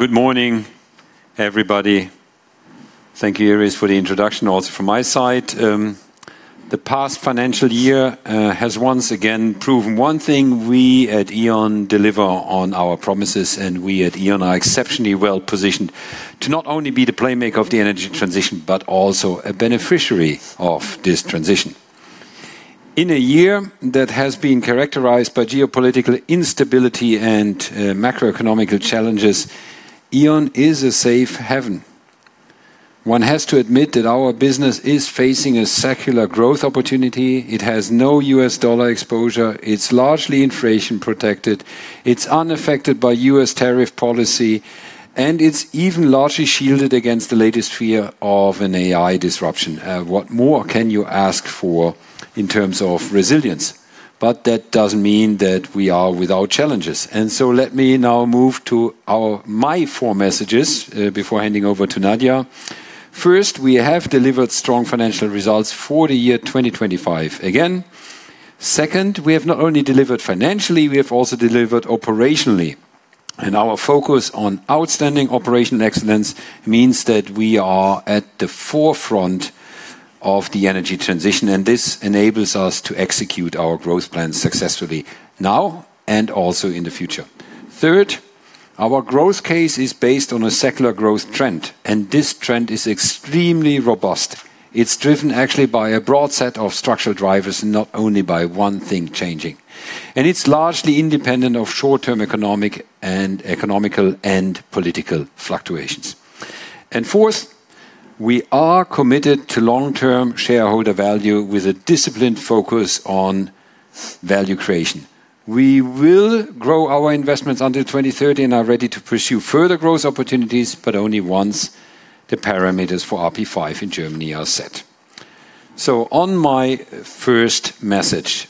Good morning, everybody. Thank you, Iris, for the introduction. Also from my side, the past financial year has once again proven one thing: we at E.ON deliver on our promises, and we at E.ON are exceptionally well positioned to not only be the playmaker of the energy transition, but also a beneficiary of this transition. In a year that has been characterized by geopolitical instability and macroeconomic challenges, E.ON is a safe haven. One has to admit that our business is facing a secular growth opportunity. It has no U.S. dollar exposure, it's largely inflation protected, it's unaffected by U.S. tariff policy, and it's even largely shielded against the latest fear of an AI disruption. What more can you ask for in terms of resilience? That doesn't mean that we are without challenges. Let me now move to my four messages, before handing over to Nadia. First, we have delivered strong financial results for the year 2025 again. Second, we have not only delivered financially, we have also delivered operationally, and our focus on outstanding operational excellence means that we are at the forefront of the energy transition, and this enables us to execute our growth plans successfully now and also in the future. Third, our growth case is based on a secular growth trend, and this trend is extremely robust. It's driven actually by a broad set of structural drivers, not only by one thing changing, and it's largely independent of short-term economic and economical and political fluctuations. Fourth, we are committed to long-term shareholder value with a disciplined focus on value creation. We will grow our investments until 2030 and are ready to pursue further growth opportunities, but only once the parameters for RP5 in Germany are set. On my first message,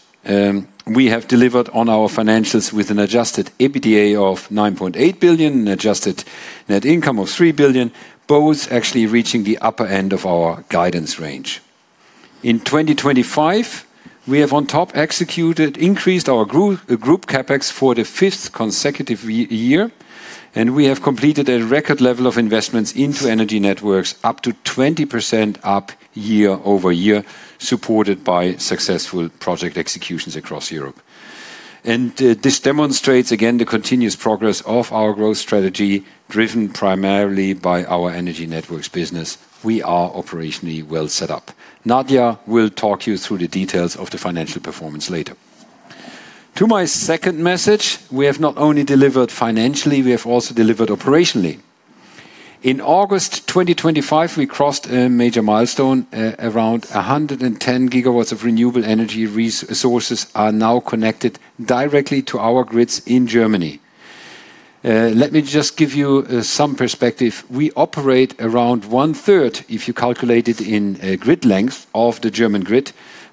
we have delivered on our financials with an Adjusted EBITDA of 9.8 billion and Adjusted Net Income of 3 billion, both actually reaching the upper end of our guidance range. In 2025, we have on top executed, increased our group CapEx for the fifth consecutive year, and we have completed a record level of investments into Energy Networks, up to 20% up year-over-year, supported by successful project executions across Europe. This demonstrates again the continuous progress of our growth strategy, driven primarily by our Energy Networks business. We are operationally well set up. Nadia will talk you through the details of the financial performance later. To my second message, we have not only delivered financially, we have also delivered operationally. In August 2025, we crossed a major milestone. Around 110 GW of renewable energy resources are now connected directly to our grids in Germany. Let me just give you some perspective. We operate around one-third, if you calculate it in grid length of the German grid,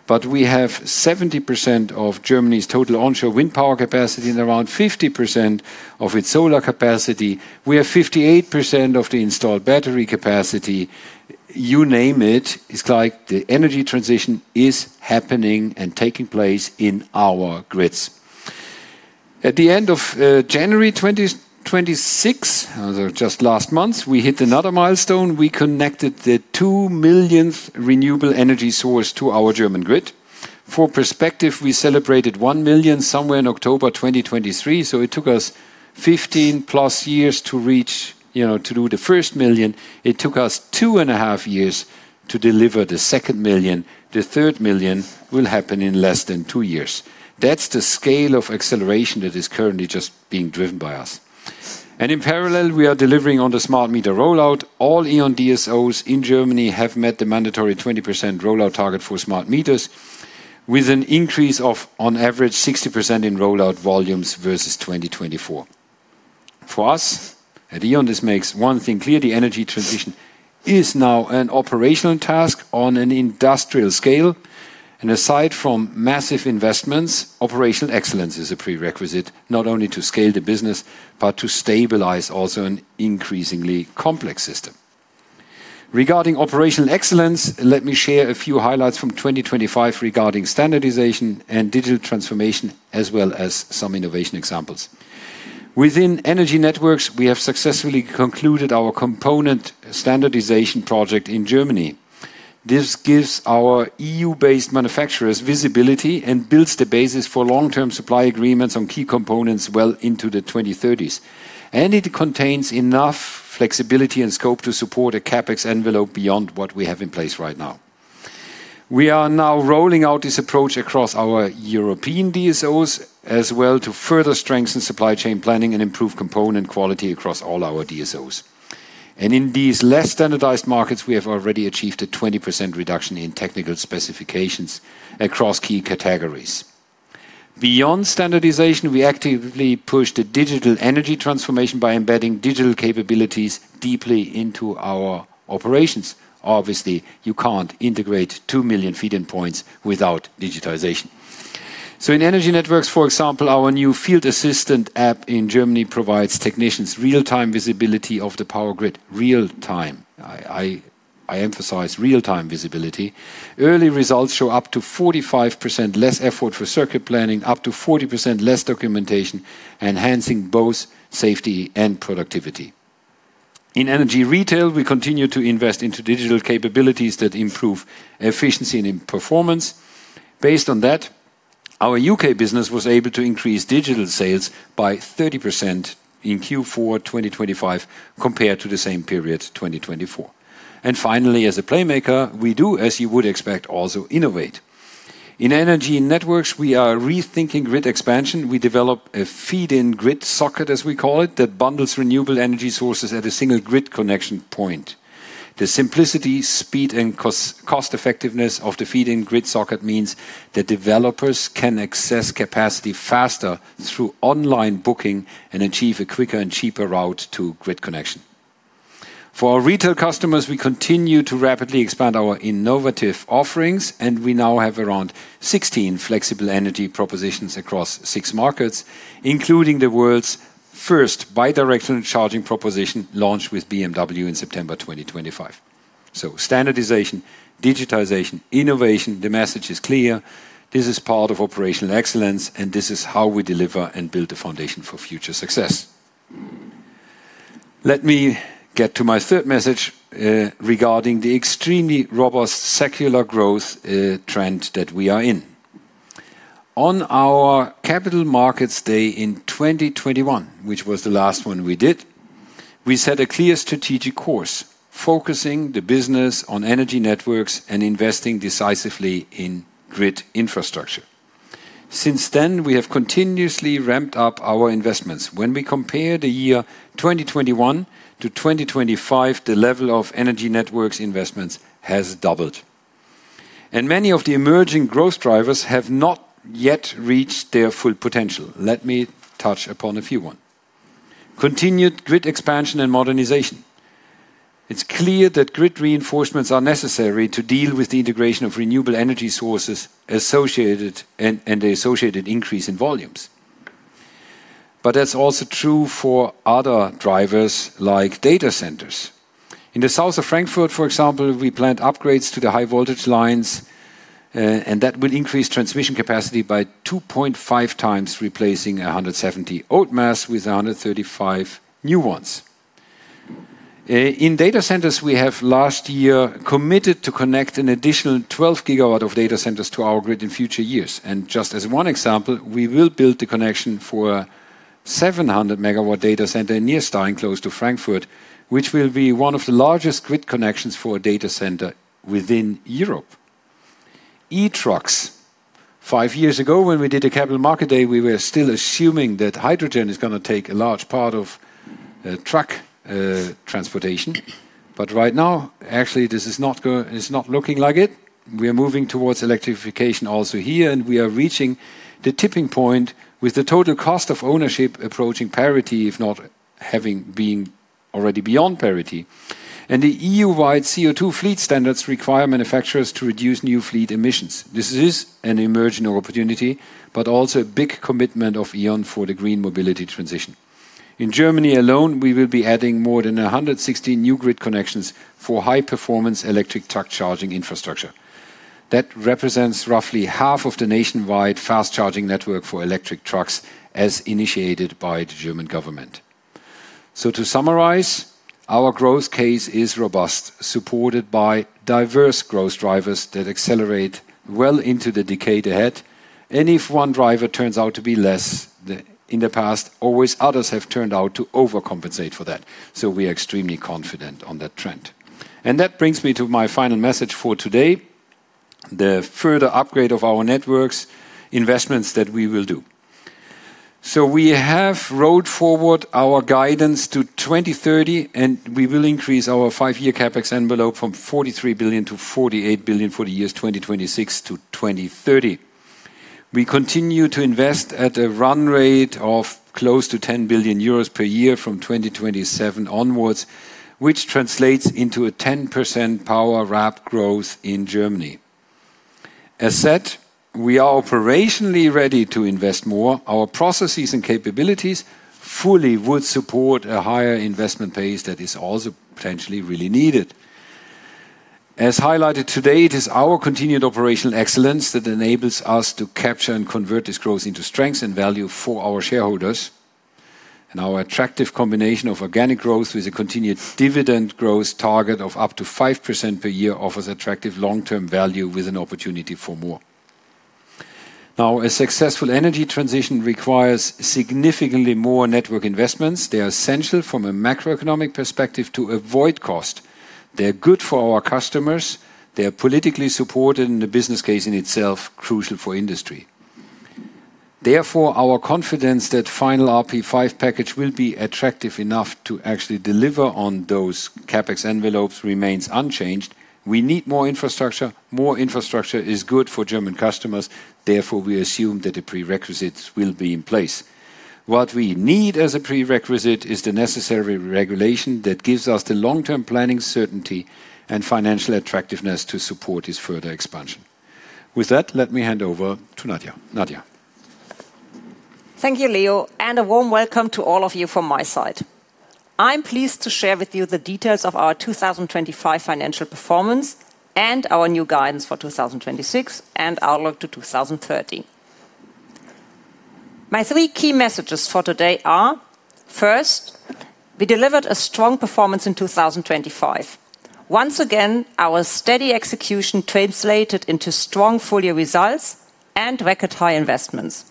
but we have 70% of Germany's total onshore wind power capacity and around 50% of its solar capacity. We have 58% of the installed battery capacity. You name it's like the energy transition is happening and taking place in our grids. At the end of January 2026, just last month, we hit another milestone. We connected the 2 millionth renewable energy source to our German grid. For perspective, we celebrated 1 million somewhere in October 2023, so it took us 15+ years to reach, you know, to do the 1st million. It took us 2.5 years to deliver the 2nd million. The 3rd million will happen in less than 2 years. That's the scale of acceleration that is currently just being driven by us. In parallel, we are delivering on the smart meter rollout. All E.ON DSOs in Germany have met the mandatory 20% rollout target for smart meters, with an increase of on average, 60% in rollout volumes versus 2024. For us, at E.ON, this makes one thing clear: the energy transition is now an operational task on an industrial scale, and aside from massive investments, operational excellence is a prerequisite not only to scale the business, but to stabilize also an increasingly complex system. Regarding operational excellence, let me share a few highlights from 2025 regarding standardization and digital transformation, as well as some innovation examples. Within Energy Networks, we have successfully concluded our component standardization project in Germany. This gives our EU-based manufacturers visibility and builds the basis for long-term supply agreements on key components well into the 2030s. It contains enough flexibility and scope to support a CapEx envelope beyond what we have in place right now. We are now rolling out this approach across our European DSOs as well, to further strengthen supply chain planning and improve component quality across all our DSOs. In these less standardized markets, we have already achieved a 20% reduction in technical specifications across key categories. Beyond standardization, we actively push the digital energy transformation by embedding digital capabilities deeply into our operations. Obviously, you can't integrate 2 million feed-in points without digitization. In Energy Networks, for example, our new Field Assistant App in Germany provides technicians real-time visibility of the power grid. Real time. I emphasize real-time visibility. Early results show up to 45% less effort for circuit planning, up to 40% less documentation, enhancing both safety and productivity. In Energy Retail, we continue to invest into digital capabilities that improve efficiency and in performance. Based on that, our U.K. business was able to increase digital sales by 30% in Q4, 2025, compared to the same period, 2024. Finally, as a playmaker, we do, as you would expect, also innovate. In Energy and Networks, we are rethinking grid expansion. We develop a feed-in grid socket, as we call it, that bundles renewable energy sources at a single grid connection point. The simplicity, speed, and cost-effectiveness of the feed-in grid socket means that developers can access capacity faster through online booking and achieve a quicker and cheaper route to grid connection. For our retail customers, we continue to rapidly expand our innovative offerings, and we now have around 16 flexible energy propositions across 6 markets, including the world's first bidirectional charging proposition, launched with BMW in September 2025. Standardization, digitization, innovation, the message is clear: This is part of operational excellence, and this is how we deliver and build the foundation for future success. Let me get to my third message regarding the extremely robust secular growth trend that we are in. On our Capital Markets Day in 2021, which was the last one we did, we set a clear strategic course, focusing the business on Energy Networks and investing decisively in grid infrastructure. Since then, we have continuously ramped up our investments. When we compare the year 2021 to 2025, the level of Energy Networks investments has doubled, and many of the emerging growth drivers have not yet reached their full potential. Let me touch upon a few. Continued grid expansion and modernization. It's clear that grid reinforcements are necessary to deal with the integration of renewable energy sources associated and the associated increase in volumes. That's also true for other drivers, like data centers. In the south of Frankfurt, for example, we planned upgrades to the high voltage lines, and that will increase transmission capacity by 2.5 times, replacing 170 old masts with 135 new ones. In data centers, we have last year committed to connect an additional 12 gigawatt of data centers to our grid in future years. Just as one example, we will build the connection for a 700 MW data center near Stein, close to Frankfurt, which will be one of the largest grid connections for a data center within Europe. E-trucks. 5 years ago, when we did a Capital Markets Day, we were still assuming that hydrogen is gonna take a large part of truck transportation. Right now, actually, this is not looking like it. We are moving towards electrification also here, and we are reaching the tipping point with the total cost of ownership approaching parity, if not having been already beyond parity. The EU-wide CO2 fleet standards require manufacturers to reduce new fleet emissions. This is an emerging opportunity, but also a big commitment of E.ON for the green mobility transition. In Germany alone, we will be adding more than 116 new grid connections for high-performance electric truck charging infrastructure. That represents roughly half of the nationwide fast-charging network for electric trucks, as initiated by the German government. To summarize, our growth case is robust, supported by diverse growth drivers that accelerate well into the decade ahead. If one driver turns out to be less the in the past, always others have turned out to overcompensate for that. We are extremely confident on that trend. That brings me to my final message for today: the further upgrade of our networks investments that we will do. We have rolled forward our guidance to 2030. We will increase our five-year CapEx envelope from 43 billion to 48 billion for the years 2026 to 2030. We continue to invest at a run rate of close to 10 billion euros per year from 2027 onwards, which translates into a 10% power RAB growth in Germany. As said, we are operationally ready to invest more. Our processes and capabilities fully would support a higher investment pace that is also potentially really needed. As highlighted today, it is our continued operational excellence that enables us to capture and convert this growth into strengths and value for our shareholders. Our attractive combination of organic growth, with a continued dividend growth target of up to 5% per year, offers attractive long-term value with an opportunity for more. Now, a successful energy transition requires significantly more network investments. They are essential from a macroeconomic perspective to avoid cost. They're good for our customers. They are politically supported in the business case in itself, crucial for industry. Our confidence that final RP5 package will be attractive enough to actually deliver on those CapEx envelopes remains unchanged. We need more infrastructure. More infrastructure is good for German customers, therefore, we assume that the prerequisites will be in place. What we need as a prerequisite is the necessary regulation that gives us the long-term planning certainty and financial attractiveness to support this further expansion. With that, let me hand over to Nadia. Nadia? Thank you, Leo. A warm welcome to all of you from my side. I'm pleased to share with you the details of our 2025 financial performance and our new guidance for 2026 and outlook to 2030. My three key messages for today are, first, we delivered a strong performance in 2025. Once again, our steady execution translated into strong full-year results and record high investments,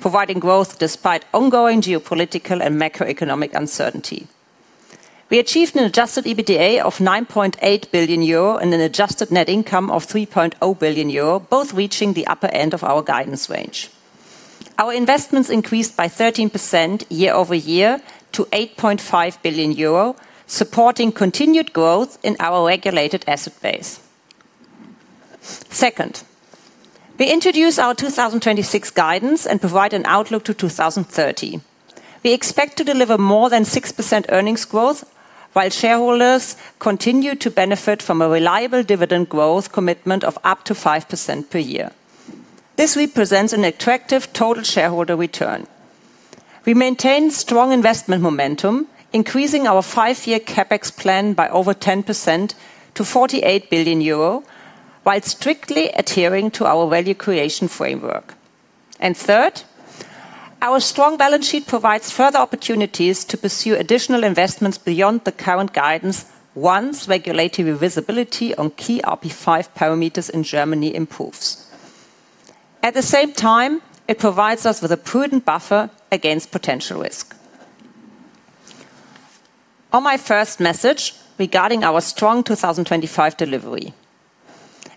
providing growth despite ongoing geopolitical and macroeconomic uncertainty. We achieved an Adjusted EBITDA of 9.8 billion euro and an Adjusted Net Income of 3.0 billion euro, both reaching the upper end of our guidance range. Our investments increased by 13% year-over-year to 8.5 billion euro, supporting continued growth in our Regulated Asset Base. Second, we introduce our 2026 guidance and provide an outlook to 2030. We expect to deliver more than 6% earnings growth, while shareholders continue to benefit from a reliable dividend growth commitment of up to 5% per year. This represents an attractive total shareholder return. We maintain strong investment momentum, increasing our 5-year CapEx plan by over 10% to 48 billion euro, while strictly adhering to our value creation framework. Third, our strong balance sheet provides further opportunities to pursue additional investments beyond the current guidance once regulatory visibility on key RP5 parameters in Germany improves. At the same time, it provides us with a prudent buffer against potential risk. On my first message regarding our strong 2025 delivery.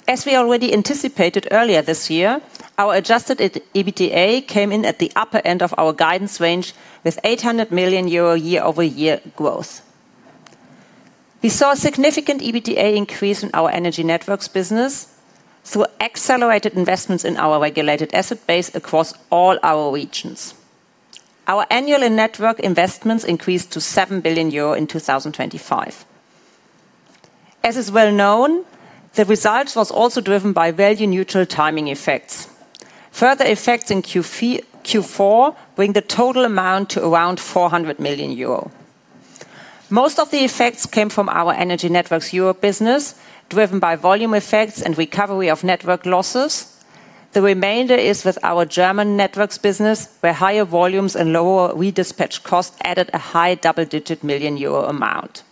As we already anticipated earlier this year, our Adjusted EBITDA came in at the upper end of our guidance range, with 800 million euro year-over-year growth. We saw a significant EBITDA increase in our Energy Networks business through accelerated investments in our Regulated Asset Base across all our regions. Our annual and network investments increased to 7 billion euro in 2025. As is well known, the results was also driven by value-neutral timing effects. Further effects in Q4 bring the total amount to around 400 million euro. Most of the effects came from our Energy Networks Europe business, driven by volume effects and recovery of network losses. The remainder is with our German networks business, where higher volumes and lower redispatch costs added a high double-digit million EUR amount.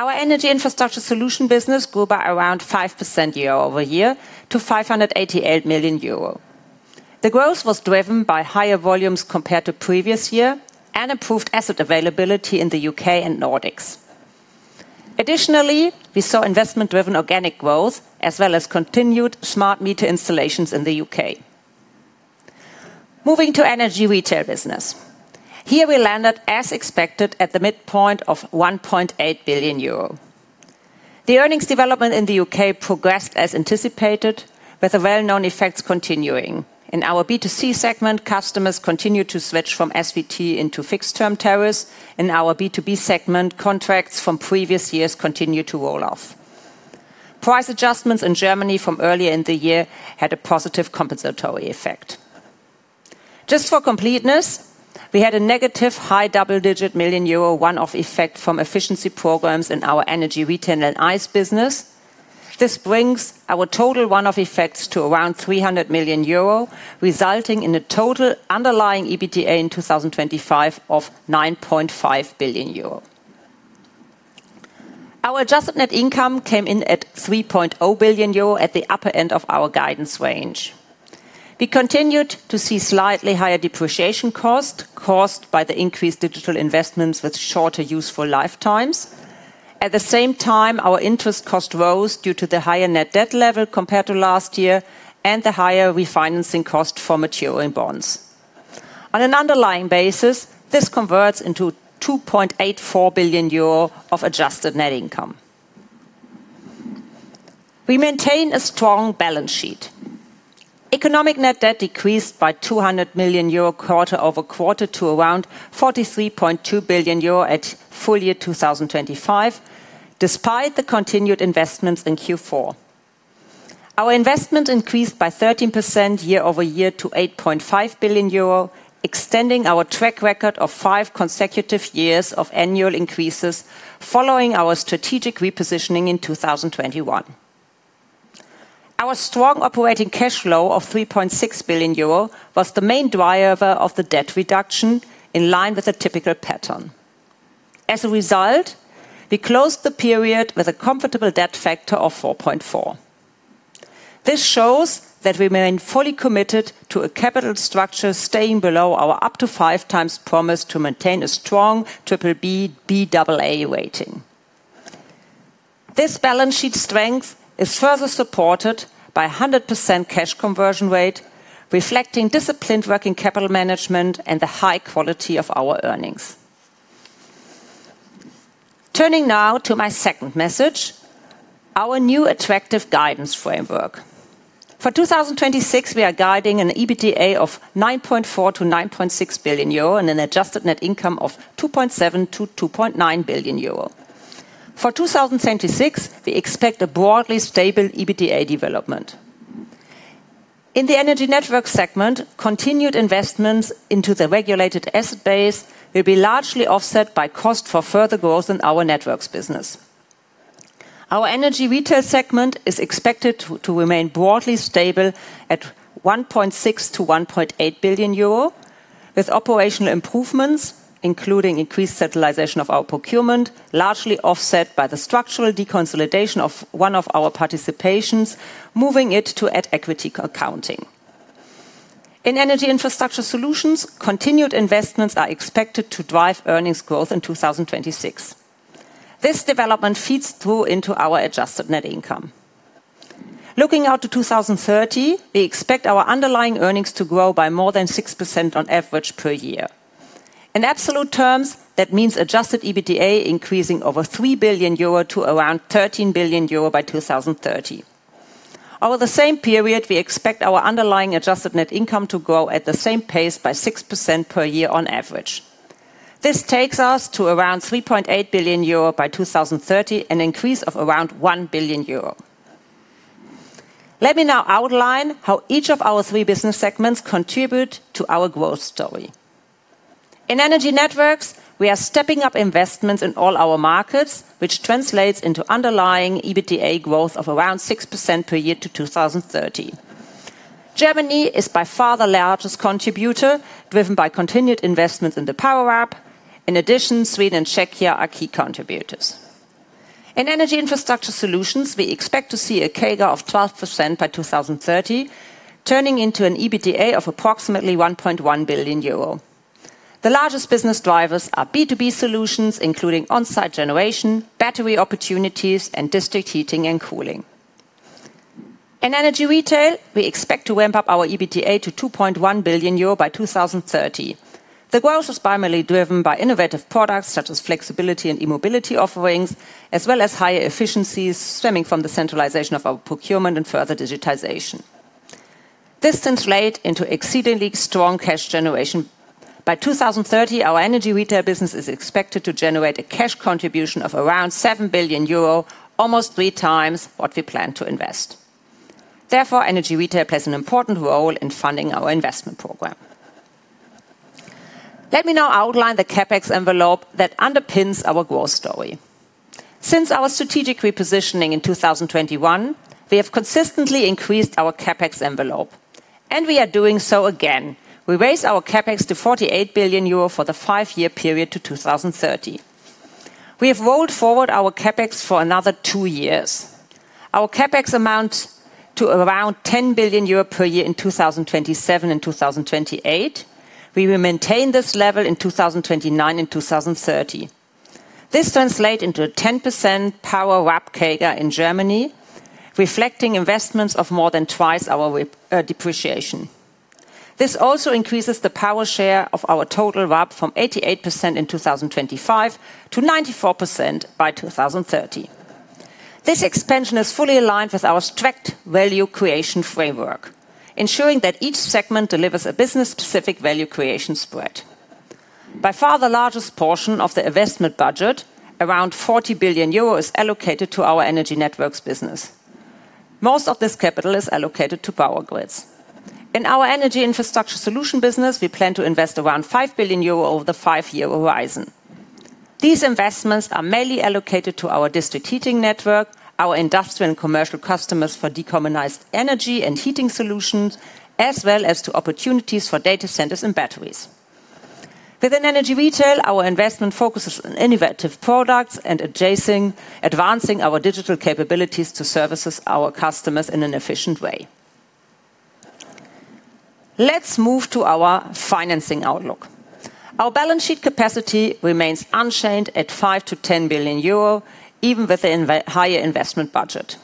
Our Energy Infrastructure Solutions business grew by around 5% year-over-year to 588 million euro. The growth was driven by higher volumes compared to previous year and improved asset availability in the U.K. and Nordics. Additionally, we saw investment-driven organic growth, as well as continued smart meter installations in the U.K. Moving to Energy Retail business. Here we landed as expected, at the midpoint of 1.8 billion euro. The earnings development in the U.K. progressed as anticipated, with the well-known effects continuing. In our B2C segment, customers continued to switch from SVT into fixed-term tariffs. In our B2B segment, contracts from previous years continued to roll off. Price adjustments in Germany from earlier in the year had a positive compensatory effect. For completeness, we had a negative high double-digit million euro one-off effect from efficiency programs in our Energy Retail and EIS business. This brings our total one-off effects to around 300 million euro, resulting in a total underlying EBITDA in 2025 of 9.5 billion euro. Our Adjusted Net Income came in at 3.0 billion euro at the upper end of our guidance range. We continued to see slightly higher depreciation cost caused by the increased digital investments with shorter useful lifetimes. At the same time, our interest cost rose due to the higher net debt level compared to last year and the higher refinancing cost for maturing bonds. On an underlying basis, this converts into 2.84 billion euro of Adjusted Net Income. We maintain a strong balance sheet. Economic net debt decreased by 200 million euro quarter-over-quarter to around 43.2 billion euro at full year 2025, despite the continued investments in Q4. Our investment increased by 13% year-over-year to 8.5 billion euro, extending our track record of five consecutive years of annual increases following our strategic repositioning in 2021. Our strong operating cash flow of 3.6 billion euro was the main driver of the debt reduction, in line with a typical pattern. As a result, we closed the period with a comfortable debt factor of 4.4. This shows that we remain fully committed to a capital structure staying below our up to 5 times promise to maintain a strong triple B, BAA rating. This balance sheet strength is further supported by a 100% cash conversion rate, reflecting disciplined working capital management and the high quality of our earnings. Our new attractive guidance framework. For 2026, we are guiding an EBITDA of 9.4 billion-9.6 billion euro and an Adjusted Net Income of 2.7 billion-2.9 billion euro. For 2026, we expect a broadly stable EBITDA development. In the Energy Networks segment, continued investments into the Regulated Asset Base will be largely offset by cost for further growth in our networks business. Our Energy Retail segment is expected to remain broadly stable at 1.6 billion-1.8 billion euro, with operational improvements, including increased centralization of our procurement, largely offset by the structural deconsolidation of one of our participations, moving it to add equity accounting. In Energy Infrastructure Solutions, continued investments are expected to drive earnings growth in 2026. This development feeds through into our Adjusted Net Income. Looking out to 2030, we expect our underlying earnings to grow by more than 6% on average per year. In absolute terms, that means Adjusted EBITDA increasing over 3 billion euro to around 13 billion euro by 2030. Over the same period, we expect our underlying Adjusted Net Income to grow at the same pace by 6% per year on average. This takes us to around 3.8 billion euro by 2030, an increase of around 1 billion euro. Let me now outline how each of our three business segments contribute to our growth story. In Energy Networks, we are stepping up investments in all our markets, which translates into underlying EBITDA growth of around 6% per year to 2030. Germany is by far the largest contributor, driven by continued investments in the power up. In addition, Sweden and Czechia are key contributors. In Energy Infrastructure Solutions, we expect to see a CAGR of 12% by 2030, turning into an EBITDA of approximately 1.1 billion euro. The largest business drivers are B2B solutions, including on-site generation, battery opportunities, and district heating and cooling. In Energy Retail, we expect to ramp up our EBITDA to 2.1 billion euro by 2030. The growth is primarily driven by innovative products, such as flexibility and e-mobility offerings, as well as higher efficiencies stemming from the centralization of our procurement and further digitization. This translate into exceedingly strong cash generation. By 2030, our Energy Retail business is expected to generate a cash contribution of around 7 billion euro, almost three times what we plan to invest. Therefore, Energy Retail plays an important role in funding our investment program. Let me now outline the CapEx envelope that underpins our growth story. Since our strategic repositioning in 2021, we have consistently increased our CapEx envelope, and we are doing so again. We raised our CapEx to 48 billion euro for the five-year period to 2030. We have rolled forward our CapEx for another 2 years. Our CapEx amount to around 10 billion euro per year in 2027 and 2028. We will maintain this level in 2029 and 2030. This translate into a 10% power WACC CAGR in Germany, reflecting investments of more than 2x our depreciation. This also increases the power share of our total WACC from 88% in 2025 to 94% by 2030. This expansion is fully aligned with our strict value creation framework, ensuring that each segment delivers a business-specific value creation spread. By far, the largest portion of the investment budget, around 40 billion euro, allocated to our Energy Networks business. Most of this capital is allocated to power grids. In our Energy Infrastructure Solutions business, we plan to invest around 5 billion euro over the 5-year horizon. These investments are mainly allocated to our district heating network, our industrial and commercial customers for decarbonized energy and heating solutions, as well as to opportunities for data centers and batteries. Within Energy Retail, our investment focuses on innovative products and adjacent, advancing our digital capabilities to services our customers in an efficient way. Let's move to our financing outlook. Our balance sheet capacity remains unchanged at 5 billion-10 billion euro, even with the higher investment budget.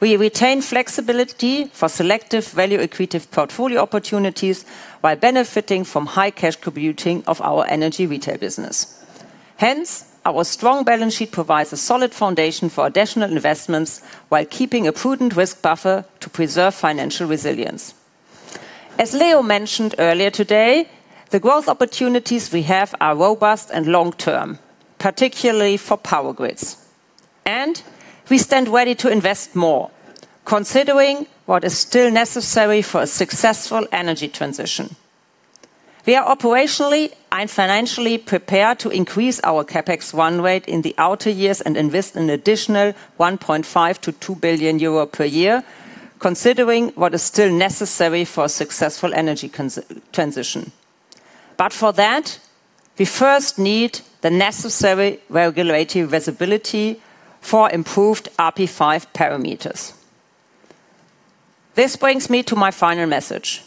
We retain flexibility for selective value accretive portfolio opportunities while benefiting from high cash contributing of our Energy Retail business. Our strong balance sheet provides a solid foundation for additional investments while keeping a prudent risk buffer to preserve financial resilience. As Leo mentioned earlier today, the growth opportunities we have are robust and long-term, particularly for power grids, we stand ready to invest more, considering what is still necessary for a successful energy transition. We are operationally and financially prepared to increase our CapEx run rate in the outer years and invest an additional 1.5 billion-2 billion euro per year, considering what is still necessary for a successful energy transition. For that, we first need the necessary regulatory visibility for improved RP5 parameters. This brings me to my final message.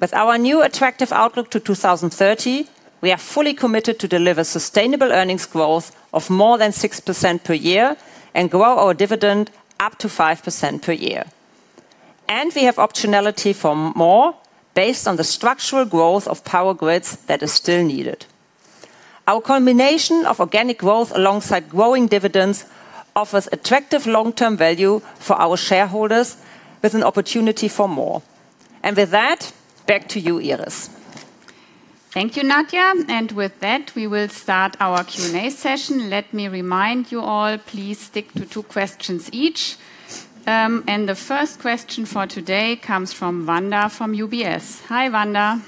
With our new attractive outlook to 2030, we are fully committed to deliver sustainable earnings growth of more than 6% per year and grow our dividend up to 5% per year. We have optionality for more based on the structural growth of power grids that is still needed. Our combination of organic growth alongside growing dividends offers attractive long-term value for our shareholders with an opportunity for more. With that, back to you, Iris. Thank you, Nadia. With that, we will start our Q&A session. Let me remind you all, please stick to two questions each. The first question for today comes from Wanda from UBS. Hi, Wanda.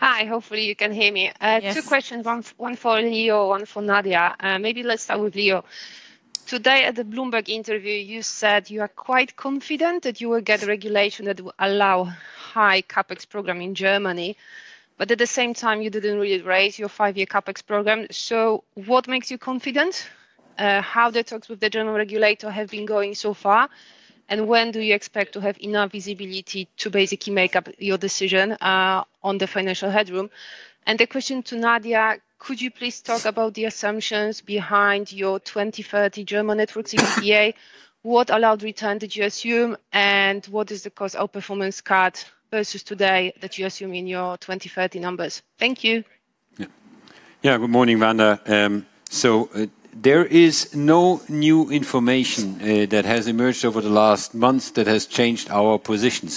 Hi. Hopefully, you can hear me. Yes. Two questions, one for Leo, one for Nadia. Maybe let's start with Leo. Today, at the Bloomberg interview, you said you are quite confident that you will get regulation that will allow high CapEx program in Germany, but at the same time, you didn't really raise your five-year CapEx program. What makes you confident? How the talks with the general regulator have been going so far? When do you expect to have enough visibility to basically make up your decision on the financial headroom? The question to Nadia: Could you please talk about the assumptions behind your 2030 German networks EBIT? What allowed return did you assume, and what is the cost of performance card versus today that you assume in your 2030 numbers? Thank you. Yeah. Yeah, good morning, Wanda. There is no new information that has emerged over the last month that has changed our position.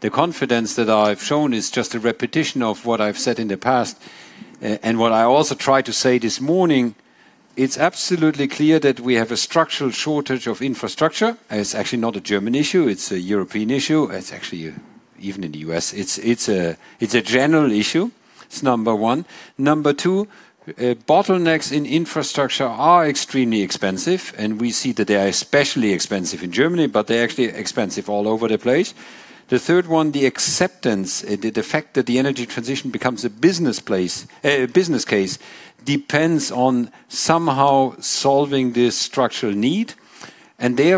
The confidence that I've shown is just a repetition of what I've said in the past. What I also tried to say this morning, it's absolutely clear that we have a structural shortage of infrastructure. It's actually not a German issue, it's a European issue. It's actually even in the U.S. It's a general issue. It's number one. Number two, bottlenecks in infrastructure are extremely expensive, we see that they are especially expensive in Germany, but they're actually expensive all over the place. The third one, the acceptance, the fact that the energy transition becomes a business place, a business case, depends on somehow solving this structural need. You know,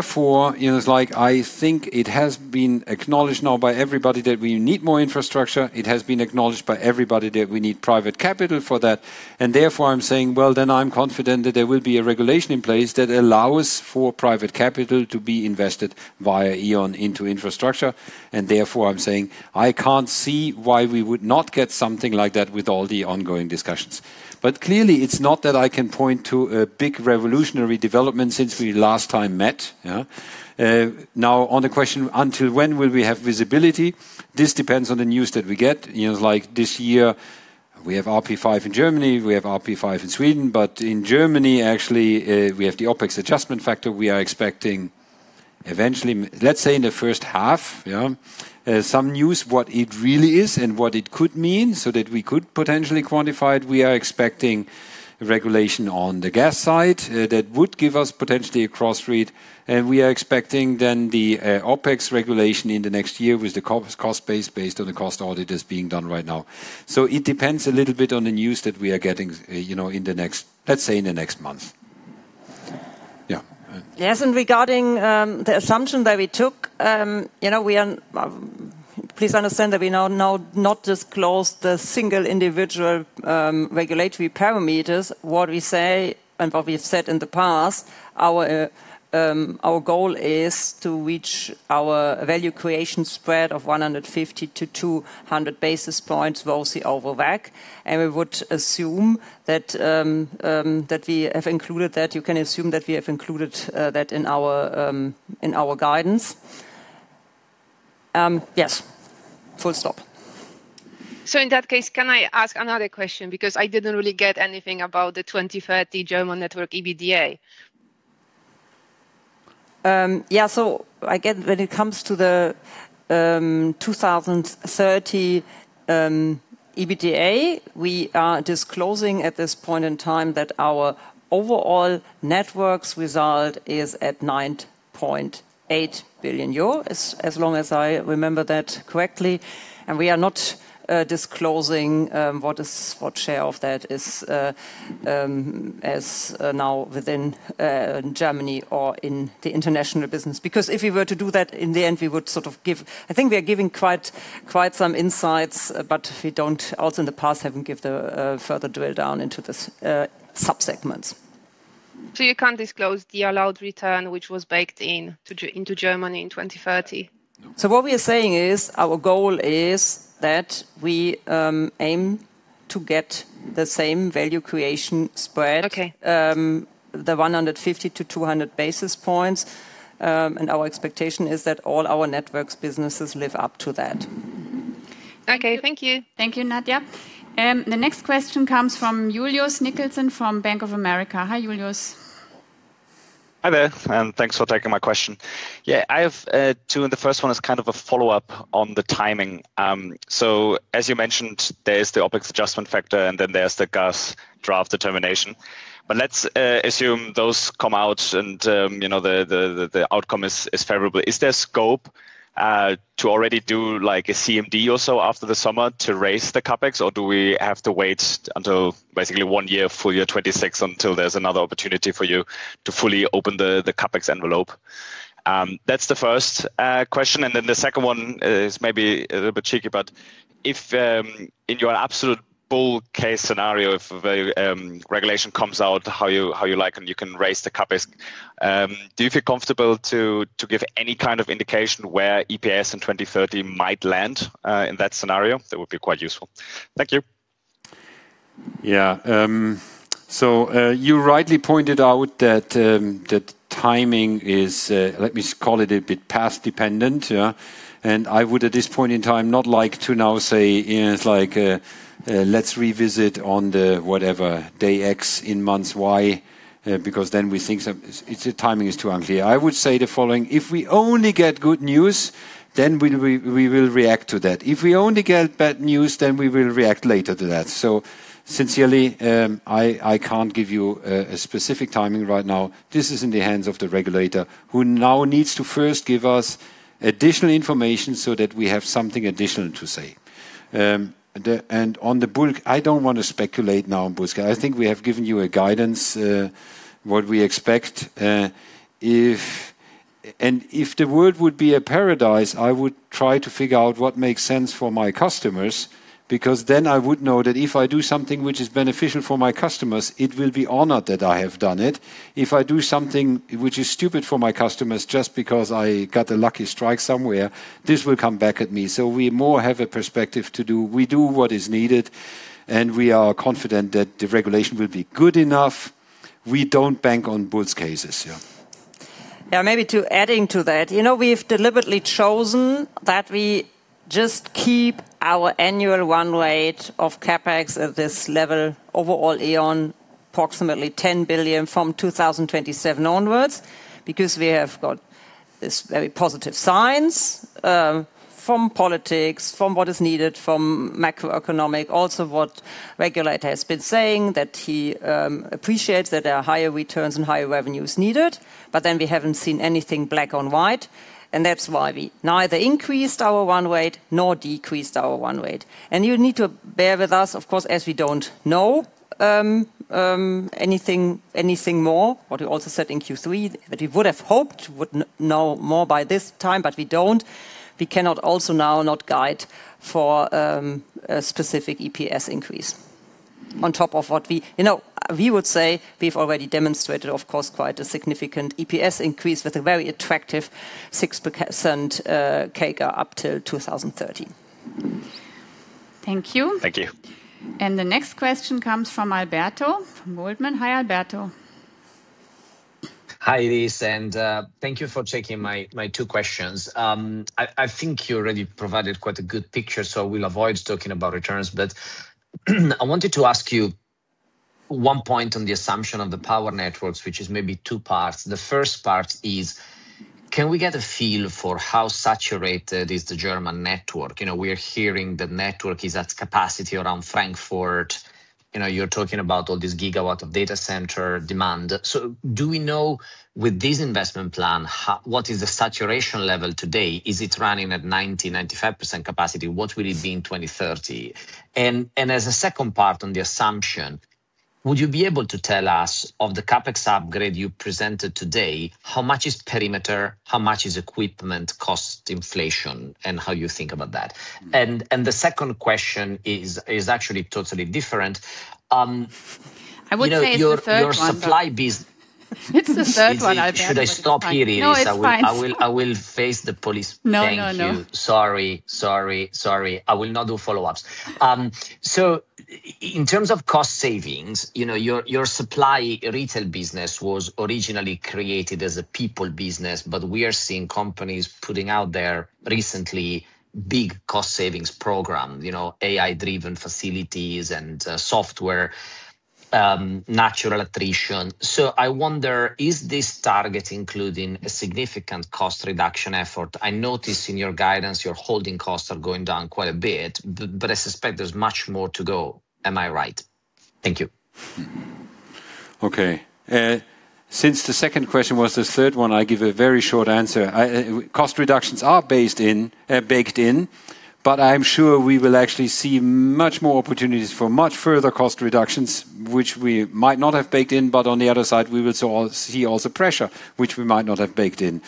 it's like, I think it has been acknowledged now by everybody that we need more infrastructure. It has been acknowledged by everybody that we need private capital for that. I'm saying, well, then I'm confident that there will be a regulation in place that allows for private capital to be invested via E.ON into infrastructure. I'm saying I can't see why we would not get something like that with all the ongoing discussions. It's not that I can point to a big revolutionary development since we last time met, yeah? Now, on the question, until when will we have visibility? This depends on the news that we get. You know, like this year, we have RP5 in Germany, we have RP5 in Sweden, but in Germany, actually, we have the OpEx adjustment factor. We are expecting eventually, let's say, in the first half, yeah, some news, what it really is and what it could mean so that we could potentially quantify it. We are expecting regulation on the gas side that would give us potentially a cross read, and we are expecting then the OpEx regulation in the next year with the cost base, based on the cost audit that's being done right now. It depends a little bit on the news that we are getting, you know, in the next, let's say, in the next month. Yeah. Yes, regarding the assumption that we took, you know, we please understand that we now not disclose the single individual regulatory parameters. What we say and what we've said in the past, our goal is to reach our value creation spread of 150-200 basis points, mostly over WACC. We would assume that we have included that. You can assume that we have included that in our guidance. Yes. Full stop. In that case, can I ask another question? Because I didn't really get anything about the 2030 German network EBITDA. Yeah, so again, when it comes to the 2030 EBITDA, we are disclosing at this point in time that our overall networks result is at 9.8 billion euro, as long as I remember that correctly. We are not disclosing what share of that is as now within Germany or in the international business. If we were to do that, in the end, I think we are giving quite some insights, but we don't, also in the past, haven't give the further drill down into this sub-segments. You can't disclose the allowed return, which was baked in into Germany in 2030? What we are saying is, our goal is that we aim to get the same value creation spread. Okay. The 150 to 200 basis points, and our expectation is that all our networks businesses live up to that. Okay, thank you. Thank you, Nadia. The next question comes from Julius Nickelsen from Bank of America. Hi, Julius. Hi there. Thanks for taking my question. Yeah, I have two, and the first one is kind of a follow-up on the timing. As you mentioned, there is the opex adjustment factor, and then there's the gas draft determination. Let's assume those come out and, you know, the outcome is favorable. Is there scope to already do, like, a CMD or so after the summer to raise the CapEx, or do we have to wait until basically one year, full year 2026, until there's another opportunity for you to fully open the CapEx envelope? That's the first question, and then the second one is maybe a little bit cheeky, but if in your absolute bull case scenario, if a regulation comes out how you, how you like, and you can raise the CapEx, do you feel comfortable to give any kind of indication where EPS in 2030 might land in that scenario? That would be quite useful. Thank you. Yeah, so you rightly pointed out that timing is let me call it a bit past dependent, yeah. I would, at this point in time, not like to now say it's like let's revisit on the whatever, day X in months Y, because then we think it's, the timing is too unclear. I would say the following: if we only get good news, then we will react to that. If we only get bad news, then we will react later to that. Sincerely, I can't give you a specific timing right now. This is in the hands of the regulator, who now needs to first give us additional information so that we have something additional to say. The, and on the bull, I don't want to speculate now on bull case. I think we have given you a guidance, what we expect. If the world would be a paradise, I would try to figure out what makes sense for my customers, because then I would know that if I do something which is beneficial for my customers, it will be honored that I have done it. If I do something which is stupid for my customers, just because I got a lucky strike somewhere, this will come back at me. We more have a perspective to do. We do what is needed, and we are confident that the regulation will be good enough. We don't bank on bulls cases. Maybe to adding to that, you know, we've deliberately chosen that we just keep our annual run rate of CapEx at this level, overall, E.ON, approximately 10 billion from 2027 onwards, because we have got this very positive signs from politics, from what is needed, from macroeconomic, also, what regulator has been saying, that he appreciates that there are higher returns and higher revenues needed. We haven't seen anything black on white. That's why we neither increased our run rate nor decreased our run rate. You need to bear with us, of course, as we don't know anything more, what we also said in Q3, that we would have hoped would know more by this time. We don't. We cannot also now not guide for a specific EPS increase. On top of what You know, we would say we've already demonstrated, of course, quite a significant EPS increase with a very attractive 6% CAGR up to 2030. Thank you. Thank you. The next question comes from Alberto, from Goldman. Hi, Alberto. Hi, Iris, thank you for taking my two questions. I think you already provided quite a good picture, so we'll avoid talking about returns. I wanted to ask you one point on the assumption of the power networks, which is maybe two parts. The first part is: Can we get a feel for how saturated is the German network? You know, we are hearing the network is at capacity around Frankfurt. You know, you're talking about all this gigawatt of data center demand. Do we know, with this investment plan, how, what is the saturation level today? Is it running at 90%, 95% capacity? What will it be in 2030? As a second part on the assumption, would you be able to tell us, of the CapEx upgrade you presented today, how much is perimeter, how much is equipment cost inflation, and how you think about that? The second question is actually totally different. I would say it's the third one. Your supply. It's the third one, Alberto. Should I stop here, Iris? No, it's fine. I will face the police. No, no. Thank you. Sorry, sorry. I will not do follow-ups. In terms of cost savings, you know, your supply retail business was originally created as a people business, but we are seeing companies putting out their, recently, big cost savings program, you know, AI-driven facilities and software, natural attrition. I wonder, is this target including a significant cost reduction effort? I noticed in your guidance, your holding costs are going down quite a bit, but I suspect there's much more to go. Am I right? Thank you. Okay. Since the second question was the third one, I give a very short answer. Cost reductions are baked in, but I'm sure we will actually see much more opportunities for much further cost reductions, which we might not have baked in, but on the other side, we will see also pressure, which we might not have baked in.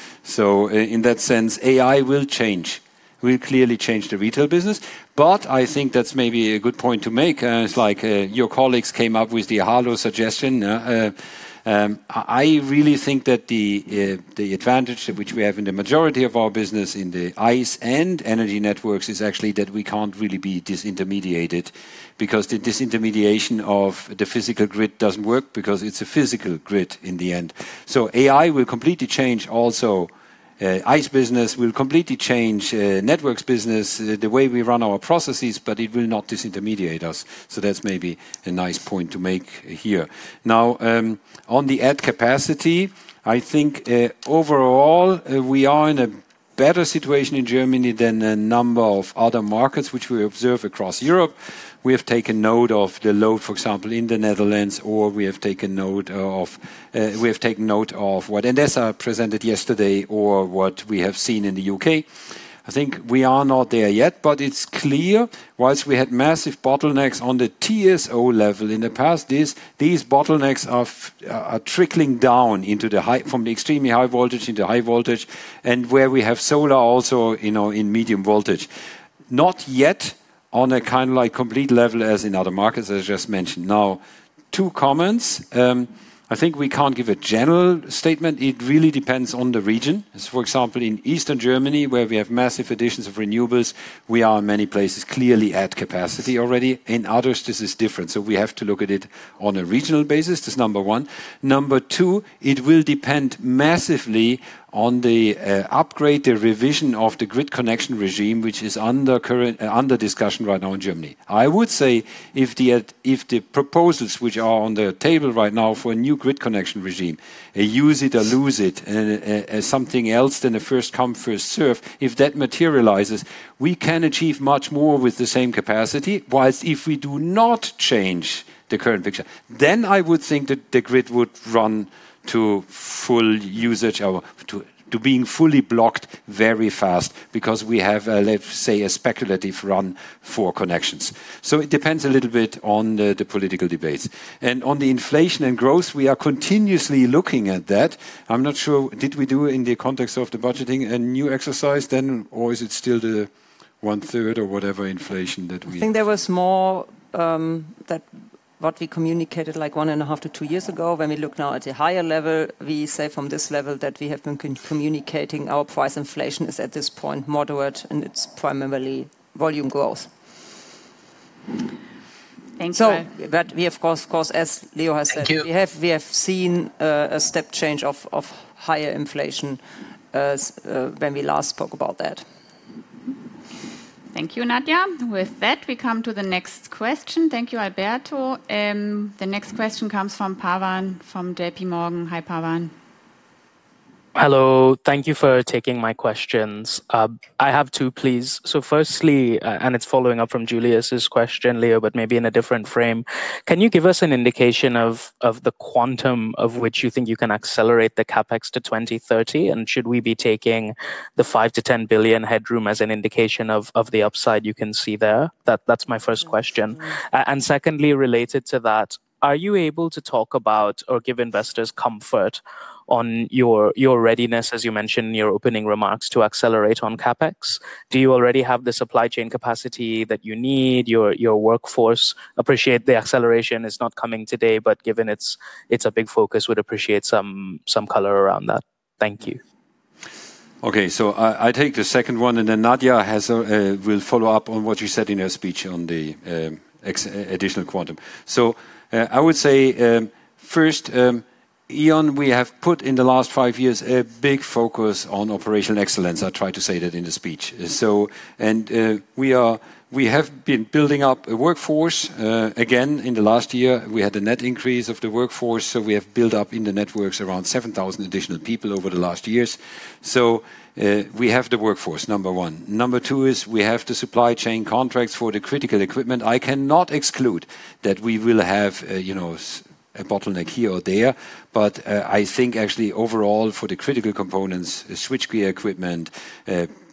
In that sense, AI will change. We'll clearly change the retail business, but I think that's maybe a good point to make. It's like your colleagues came up with the hollow suggestion. I really think that the advantage that which we have in the majority of our business, in the EIS and Energy Networks, is actually that we can't really be disintermediated, because the disintermediation of the physical grid doesn't work because it's a physical grid in the end. AI will completely change also EIS business, will completely change Energy Networks business, the way we run our processes, but it will not disintermediate us. That's maybe a nice point to make here. On the add capacity, I think overall, we are in a better situation in Germany than a number of other markets which we observe across Europe. We have taken note of the load, for example, in the Netherlands, or we have taken note of what NSA presented yesterday or what we have seen in the U.K.. I think we are not there yet, it's clear whilst we had massive bottlenecks on the TSO level in the past, these bottlenecks are trickling down from the extremely high voltage into high voltage, and where we have solar also, you know, in medium voltage. Not yet on a kind of like, complete level as in other markets, as I just mentioned. Two comments. I think we can't give a general statement. It really depends on the region. As for example, in Eastern Germany, where we have massive additions of renewables, we are in many places clearly at capacity already. In others, this is different. We have to look at it on a regional basis. This is number 1. It will depend massively on the upgrade, the revision of the grid connection regime, which is under discussion right now in Germany. I would say if the proposals which are on the table right now for a new grid connection regime, a use it or lose it, something else than a first-come, first-served, if that materializes, we can achieve much more with the same capacity. If we do not change the current picture, then I would think that the grid would run to full usage or to being fully blocked very fast, because we have, let's say, a speculative run for connections. It depends a little bit on the political debates. On the inflation and growth, we are continuously looking at that. I'm not sure, did we do in the context of the budgeting a new exercise then, or is it still the one-third or whatever inflation that we... I think there was more, that what we communicated, like, 1.5 to 2 years ago. When we look now at a higher level, we say from this level that we have been communicating our price inflation is, at this point, moderate, and it's primarily volume growth. Thanks, Nadia. We of course, as Leo has said. Thank you. we have seen a step change of higher inflation when we last spoke about that. Thank you, Nadia. With that, we come to the next question. Thank you, Alberto. The next question comes from Pavan, from JPMorgan. Hi, Pavan. Hello. Thank you for taking my questions. I have two, please. Firstly, it's following up from Julius's question, Leo, but maybe in a different frame: Can you give us an indication of the quantum of which you think you can accelerate the CapEx to 2030? Should we be taking the 5 billion-10 billion headroom as an indication of the upside you can see there? That's my first question. Secondly, related to that, are you able to talk about, or give investors comfort on your readiness, as you mentioned in your opening remarks, to accelerate on CapEx? Do you already have the supply chain capacity that you need, your workforce? Appreciate the acceleration is not coming today, but given it's a big focus, would appreciate some color around that. Thank you. Okay, I take the second one, and then Nadia has a, will follow up on what she said in her speech on the additional quantum. I would say, first, E.ON, we have put in the last five years, a big focus on operational excellence. I tried to say that in the speech. We have been building up a workforce. Again, in the last year, we had a net increase of the workforce, we have built up in the networks around 7,000 additional people over the last years. We have the workforce, number one. Number two is we have the supply chain contracts for the critical equipment. I cannot exclude that we will have, you know, a bottleneck here or there. I think actually overall, for the critical components, the switchgear equipment,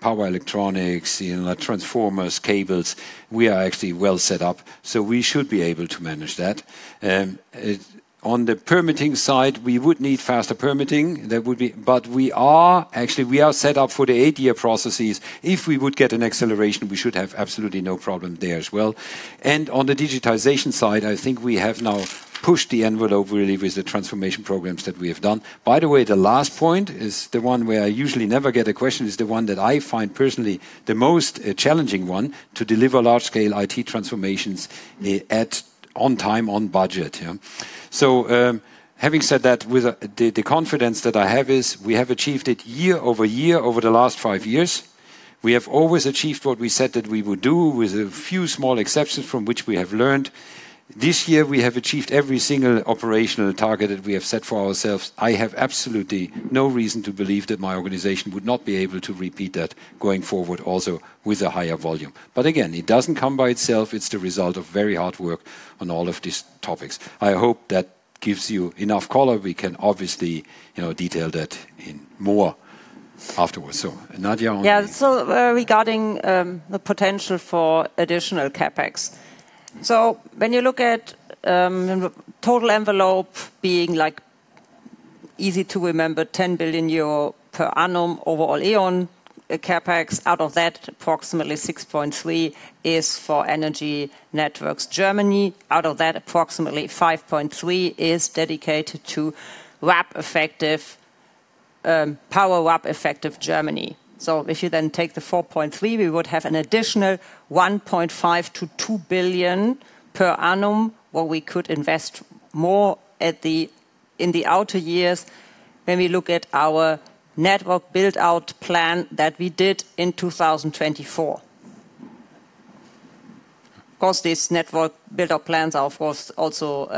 power electronics, you know, transformers, cables, we are actually well set up, so we should be able to manage that. On the permitting side, we would need faster permitting. We are, actually, we are set up for the 8-year processes. If we would get an acceleration, we should have absolutely no problem there as well. On the digitization side, I think we have now pushed the envelope really with the transformation programs that we have done. The last point is the one where I usually never get a question, is the one that I find personally the most challenging one, to deliver large-scale IT transformations, on time, on budget. Having said that, with the confidence that I have is, we have achieved it year-over-year, over the last 5 years. We have always achieved what we said that we would do, with a few small exceptions, from which we have learned. This year, we have achieved every single operational target that we have set for ourselves. I have absolutely no reason to believe that my organization would not be able to repeat that going forward, also with a higher volume. It doesn't come by itself. It's the result of very hard work on all of these topics. I hope that gives you enough color. We can obviously, you know, detail that in more afterwards. Nadia on the- So, regarding the potential for additional CapEx, when you look at total envelope being, like, easy to remember, 10 billion euro per annum overall E.ON CapEx, out of that, approximately 6.3 is for Energy Networks. Germany, out of that, approximately 5.3 is dedicated to power WACC-effective Germany. If you take the 4.3, we would have an additional 1.5 billion-2 billion per annum, where we could invest more in the outer years when we look at our network build-out plan that we did in 2024. Of course, these network build-out plans are, of course, also,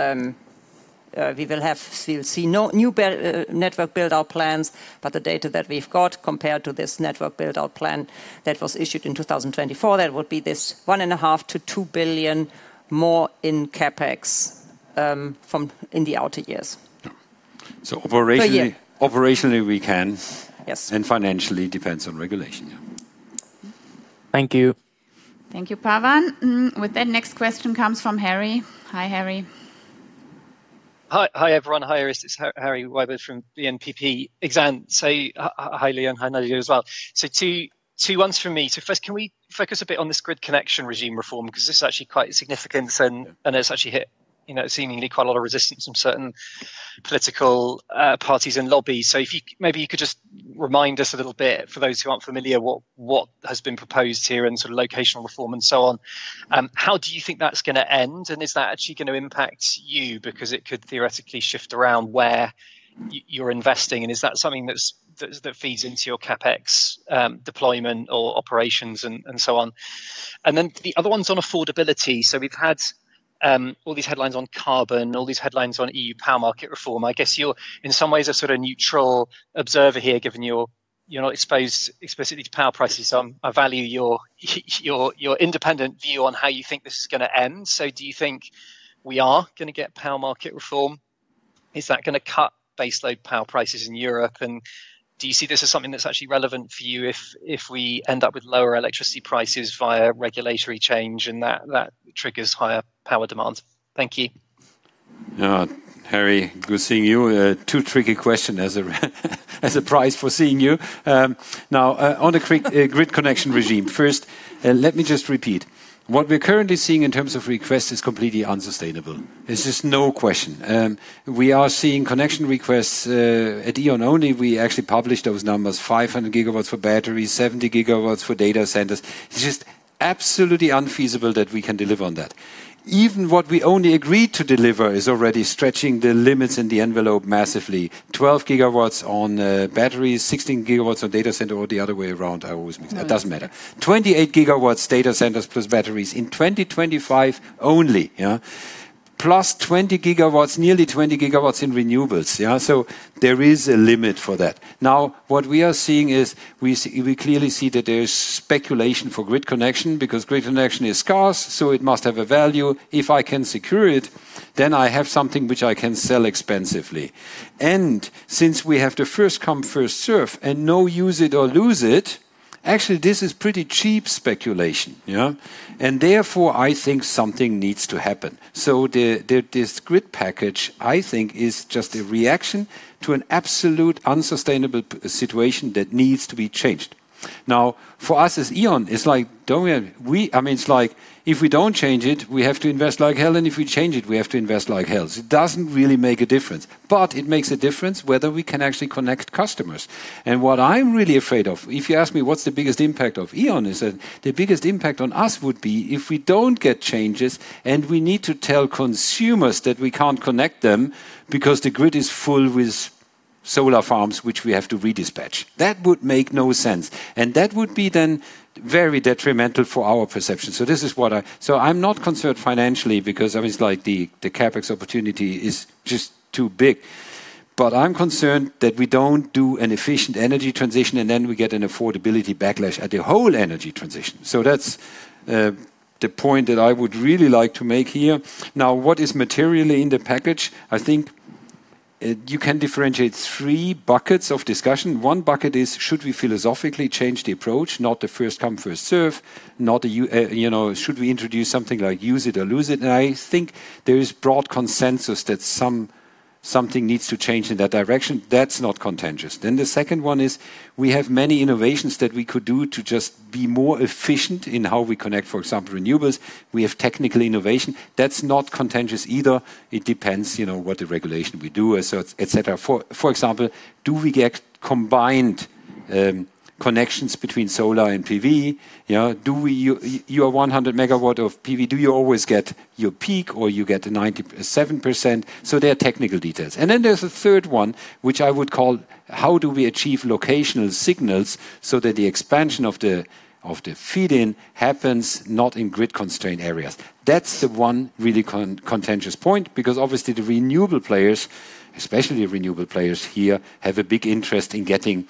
we'll see no new build, network build-out plans, but the data that we've got compared to this network build-out plan that was issued in 2024, that would be this one and a half to two billion more in CapEx from, in the outer years. Yeah. Per year. Operationally, we can. Yes. financially, it depends on regulation, yeah. Thank you. Thank you, Pavan. With that, next question comes from Harry. Hi, Harry. Hi, everyone. Hi, it's Harry Wyburd from the BNP Exane. Hi, Leon, hi, Nadia, as well. Two ones for me. First, can we focus a bit on this grid connection regime reform? 'Cause this is actually quite significant, and it's actually hit, you know, seemingly quite a lot of resistance from certain political parties and lobbies. If you maybe you could just remind us a little bit, for those who aren't familiar, what has been proposed here in sort of locational reform and so on. How do you think that's going to end? Is that actually going to impact you? Because it could theoretically shift around where you're investing, and is that something that's, that feeds into your CapEx deployment or operations and so on? Then the other one's on affordability. We've had all these headlines on carbon, all these headlines on EU power market reform. I guess you're in some ways a sort of neutral observer here, given you're not exposed explicitly to power prices. I'm, I value your independent view on how you think this is going to end. Do you think we are going to get power market reform? Is that going to cut baseload power prices in Europe, and do you see this as something that's actually relevant for you if we end up with lower electricity prices via regulatory change, and that triggers higher power demands? Thank you. Uh, Harry, good seeing you. Uh, two tricky question as a, as a price for seeing you. Um, now, uh, on the cre- uh, grid connection regime, first, uh, let me just repeat. What we're currently seeing in terms of requests is completely unsustainable. There's just no question. Um, we are seeing connection requests, uh, at E.ON only, we actually publish those numbers, 500 GW for batteries, 70 GW for data centers. It's just absolutely unfeasible that we can deliver on that. Even what we only agreed to deliver is already stretching the limits and the envelope massively. 12 GW on, uh, batteries, 16 GW on data center, or the other way around, I always mix. It doesn't matter. 28 GW data centers plus batteries in 2025 only, yeah. Plus 20 GW, nearly 20 GW in renewables, yeah? There is a limit for that. What we are seeing is, we clearly see that there is speculation for grid connection, because grid connection is scarce, so it must have a value. If I can secure it, I have something which I can sell expensively. Since we have the first come, first served and no use it or lose it, actually, this is pretty cheap speculation, yeah? Therefore, I think something needs to happen. The, this grid package, I think, is just a reaction to an absolute unsustainable situation that needs to be changed. For us as E.ON, it's like, don't we have... We, I mean, it's like, if we don't change it, we have to invest like hell, and if we change it, we have to invest like hell. It doesn't really make a difference, but it makes a difference whether we can actually connect customers. What I'm really afraid of, if you ask me what's the biggest impact of E.ON, is that the biggest impact on us would be if we don't get changes, and we need to tell consumers that we can't connect them because the grid is full with solar farms, which we have to redispatch. That would make no sense, and that would be then very detrimental for our perception. I'm not concerned financially because, I mean, like, the CapEx opportunity is just too big. I'm concerned that we don't do an efficient energy transition, and then we get an affordability backlash at the whole energy transition. That's the point that I would really like to make here. What is materially in the package? I think you can differentiate three buckets of discussion. One bucket is: Should we philosophically change the approach? Not the first-come, first-served, not the you know, should we introduce something like use it or lose it? I think there is broad consensus that something needs to change in that direction. That's not contentious. The second one is, we have many innovations that we could do to just be more efficient in how we connect, for example, renewables. We have technical innovation. That's not contentious either. It depends, you know, what the regulation we do is, so et cetera. For example, do we get combined connections between solar and PV? You know, do we have 100 MW of PV, do you always get your peak, or you get the 97%? There are technical details. There's a third one, which I would call: How do we achieve locational signals so that the expansion of the feed-in happens not in grid-constrained areas? That's the one really contentious point, because obviously, the renewable players, especially renewable players here, have a big interest in getting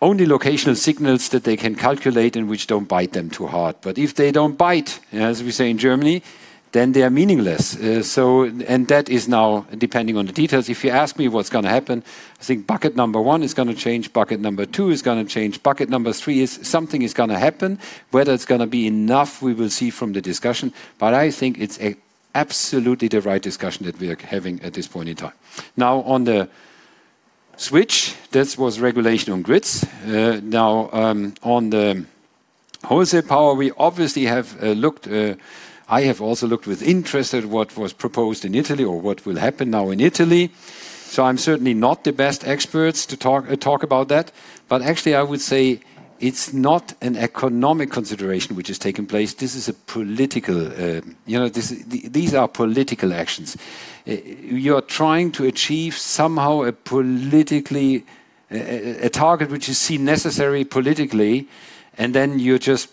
only locational signals that they can calculate and which don't bite them too hard. If they don't bite, as we say in Germany, then they are meaningless. That is now depending on the details. If you ask me what's going to happen, I think bucket number one is going to change, bucket number two is going to change, bucket number three is something is going to happen. Whether it's going to be enough, we will see from the discussion, but I think it's absolutely the right discussion that we are having at this point in time. On the switch, this was regulation on grids. Now, on the wholesale power, we obviously have looked. I have also looked with interest at what was proposed in Italy or what will happen now in Italy. I'm certainly not the best experts to talk about that, but actually, I would say it's not an economic consideration which has taken place. This is a political, you know, this, these are political actions. You are trying to achieve somehow a politically, a target which is seen necessary politically, and then you're just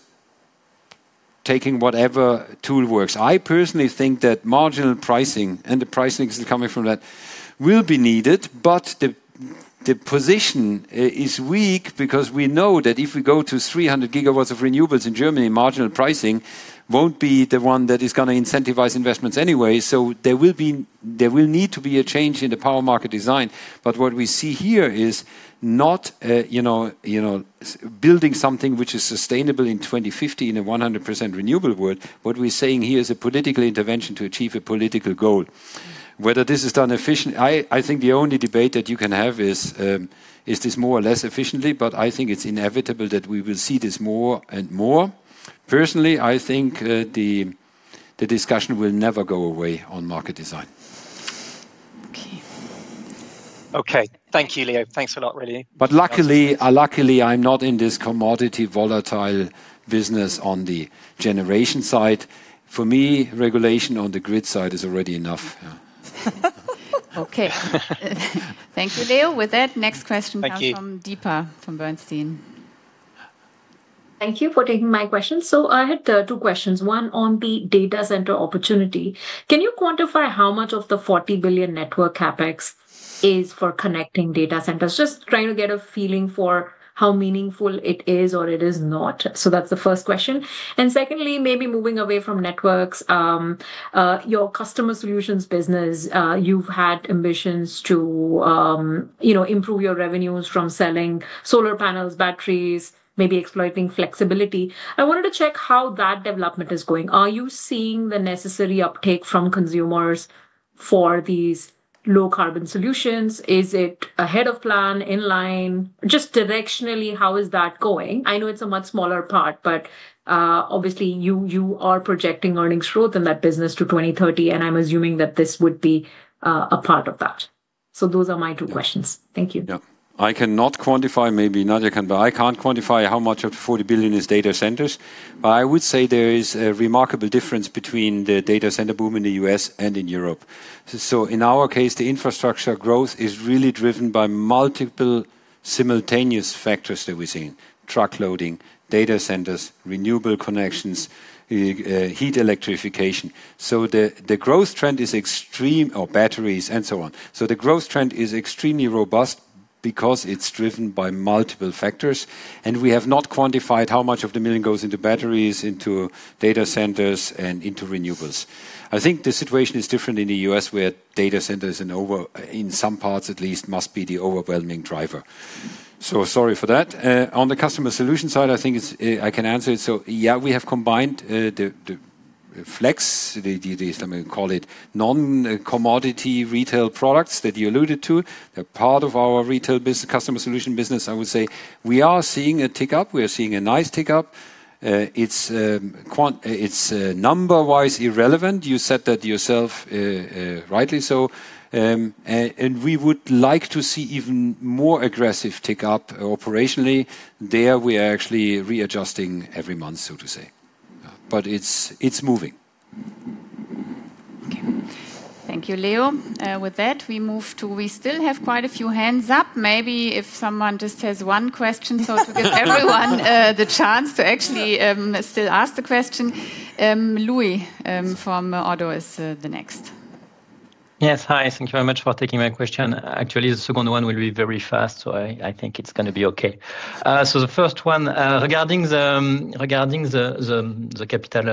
taking whatever tool works. I personally think that marginal pricing, and the pricing is coming from that, will be needed, but the position is weak because we know that if we go to 300 GW of renewables in Germany, marginal pricing won't be the one that is going to incentivize investments anyway. There will need to be a change in the power market design. What we see here is not, you know, building something which is sustainable in 2050 in a 100% renewable world. What we're saying here is a political intervention to achieve a political goal. Whether this is done efficiently, I think the only debate that you can have is this more or less efficiently, but I think it's inevitable that we will see this more and more. Personally, I think, the discussion will never go away on market design. Okay. Thank you, Leo. Thanks a lot, really. Luckily, I'm not in this commodity volatile business on the generation side. For me, regulation on the grid side is already enough. Yeah. Okay. Thank you, Leo. With that, next question- Thank you. -comes from Deepa, from Bernstein. Thank you for taking my question. I had two questions, one on the data center opportunity. Can you quantify how much of the 40 billion network CapEx is for connecting data centers? Just trying to get a feeling for how meaningful it is or it is not. That's the first question. Secondly, maybe moving away from networks, your customer solutions business, you've had ambitions to, you know, improve your revenues from selling solar panels, batteries, maybe exploiting flexibility. I wanted to check how that development is going. Are you seeing the necessary uptake from consumers for these low-carbon solutions? Is it ahead of plan, in line? Just directionally, how is that going? I know it's a much smaller part, but obviously, you are projecting earnings growth in that business to 2030, and I'm assuming that this would be a part of that. Those are my two questions. Yeah. Thank you. Yeah. I cannot quantify, maybe Nadia can, but I can't quantify how much of the 40 billion is data centers, but I would say there is a remarkable difference between the data center boom in the U.S. and in Europe. In our case, the infrastructure growth is really driven by multiple simultaneous factors that we're seeing: truck loading, data centers, renewable connections, heat electrification. The growth trend is extreme, or batteries and so on. The growth trend is extremely robust because it's driven by multiple factors, and we have not quantified how much of the 1 million goes into batteries, into data centers, and into renewables. I think the situation is different in the U.S., where data centers in some parts at least, must be the overwhelming driver. Sorry for that. On the customer solution side, I think it's, I can answer it. Yeah, we have combined the flex, the, let me call it, non-commodity retail products that you alluded to. They're part of our retail customer solution business, I would say. We are seeing a tick-up. We are seeing a nice tick-up. It's, number-wise, irrelevant. You said that yourself, rightly so. We would like to see even more aggressive tick-up operationally. There, we are actually readjusting every month, so to say. It's, it's moving. Okay. Thank you, Leo. With that, we still have quite a few hands up. Maybe if someone just has one question, so to give everyone the chance to actually still ask the question. Louis from ODDO is the next. Yes. Hi. Thank you very much for taking my question. Actually, the second one will be very fast, so I think it's gonna be okay. The first one, regarding the capital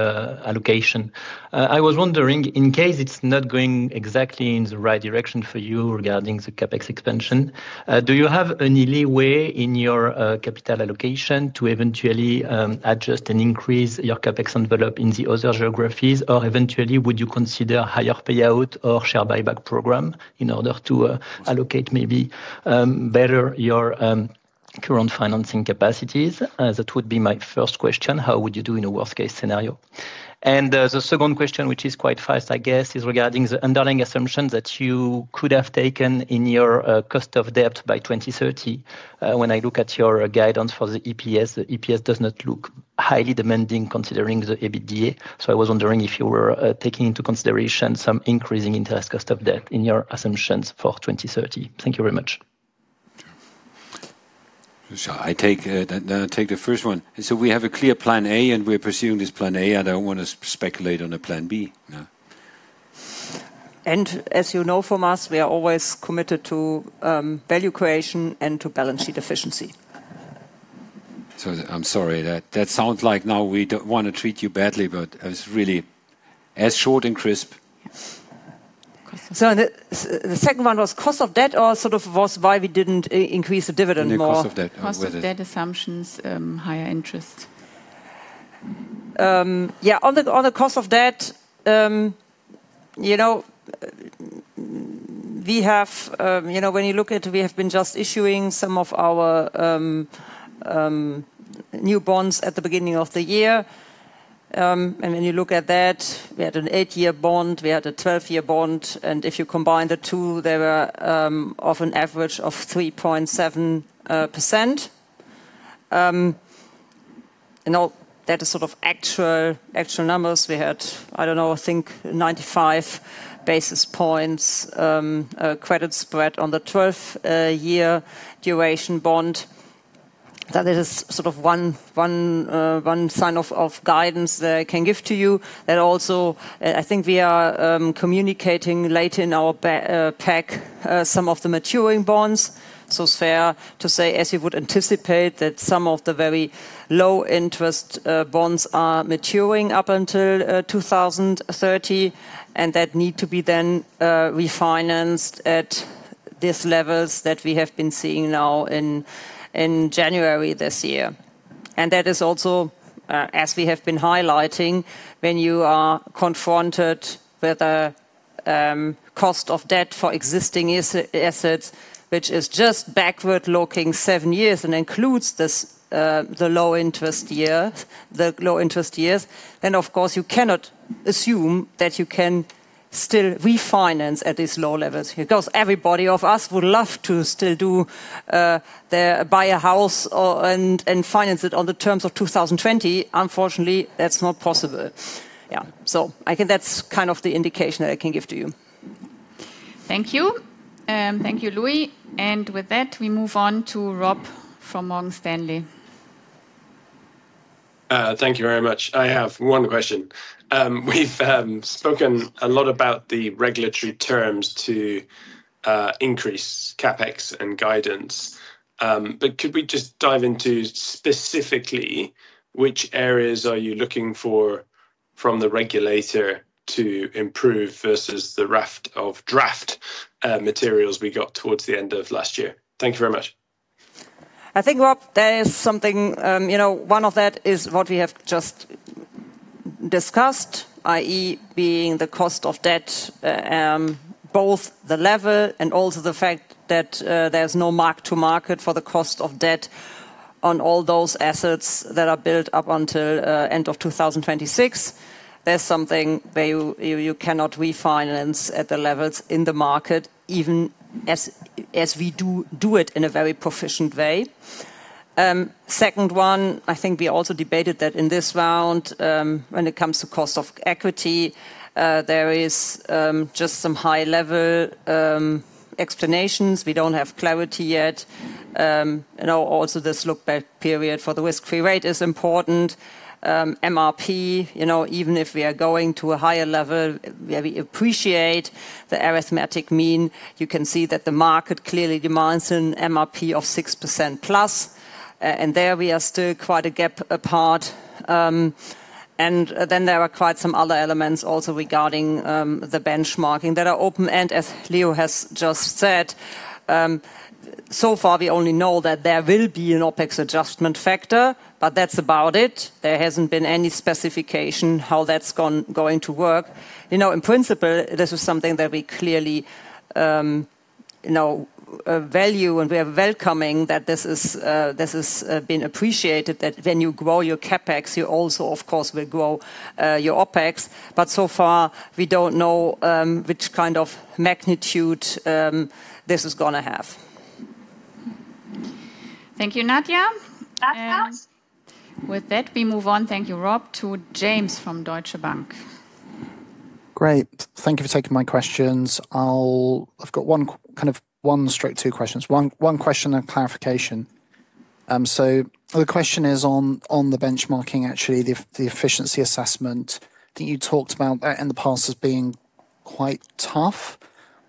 allocation, I was wondering, in case it's not going exactly in the right direction for you regarding the CapEx expansion, do you have any leeway in your capital allocation to eventually adjust and increase your CapEx envelope in the other geographies? Eventually, would you consider higher payout or share buyback program in order to allocate maybe better your current financing capacities? That would be my first question: How would you do in a worst-case scenario? The second question, which is quite fast, I guess, is regarding the underlying assumptions that you could have taken in your cost of debt by 2030. When I look at your guidance for the EPS, the EPS does not look highly demanding, considering the EBITDA. I was wondering if you were taking into consideration some increasing interest cost of debt in your assumptions for 2030. Thank you very much. Sure. I take, then I take the first one. We have a clear plan A, and we're pursuing this plan A. I don't wanna speculate on a plan B. Yeah. As you know, from us, we are always committed to, value creation and to balance sheet efficiency. I'm sorry, that sounds like now we don't wanna treat you badly, but it's really as short and crisp. Yes. Cost of- The second one was cost of debt or sort of was why we didn't increase the dividend more? The cost of debt. Cost of debt assumptions, higher interest. On the cost of debt, you know, we have... You know, when you look at, we have been just issuing some of our new bonds at the beginning of the year. When you look at that, we had an 8-year bond, we had a 12-year bond, and if you combine the two, they were of an average of 3.7%. That is sort of actual numbers. We had, I don't know, I think 95 basis points credit spread on the 12th year duration bond. That is sort of one sign of guidance that I can give to you. I think we are communicating late in our pack, some of the maturing bonds. It's fair to say, as you would anticipate, that some of the very low interest bonds are maturing up until 2030, and that need to be then refinanced at these levels that we have been seeing now in January this year. That is also, as we have been highlighting, when you are confronted with a cost of debt for existing assets, which is just backward-looking seven years and includes this, the low interest year, the low interest years, then, of course, you cannot assume that you can still refinance at these low levels here. Everybody of us would love to still do buy a house or, and finance it on the terms of 2020. Unfortunately, that's not possible. I think that's kind of the indication that I can give to you. Thank you. Thank you, Louis. With that, we move on to Rob from Morgan Stanley. Thank you very much. I have one question. We've spoken a lot about the regulatory terms to increase CapEx and guidance, but could we just dive into specifically which areas are you looking for from the regulator to improve versus the raft of draft materials we got towards the end of last year? Thank you very much. I think, Rob, there is something, you know, one of that is what we have just discussed, i.e., being the cost of debt, both the level and also the fact that there's no mark to market for the cost of debt on all those assets that are built up until end of 2026. There's something where you cannot refinance at the levels in the market, even as we do it in a very proficient way. Second one, I think we also debated that in this round, when it comes to cost of equity, there is just some high-level explanations. We don't have clarity yet. This look-back period for the risk-free rate is important. MRP, you know, even if we are going to a higher level, we appreciate the arithmetic mean. You can see that the market clearly demands an MRP of 6% plus, and there we are still quite a gap apart. There are quite some other elements also regarding the benchmarking that are open, and as Leo has just said, so far we only know that there will be an OpEx adjustment factor, but that's about it. There hasn't been any specification how that's going to work. You know, in principle, this is something that we clearly, you know, value and we are welcoming, that this is, this is, being appreciated, that when you grow your CapEx, you also, of course, will grow your OpEx. So far, we don't know, which kind of magnitude, this is gonna have. Thank you, Nadia. With that, we move on, thank you, Rob, to James from Deutsche Bank. Great. Thank you for taking my questions. I've got one, kind of straight to two questions. One question of clarification. The question is on the benchmarking, actually, the efficiency assessment that you talked about in the past as being quite tough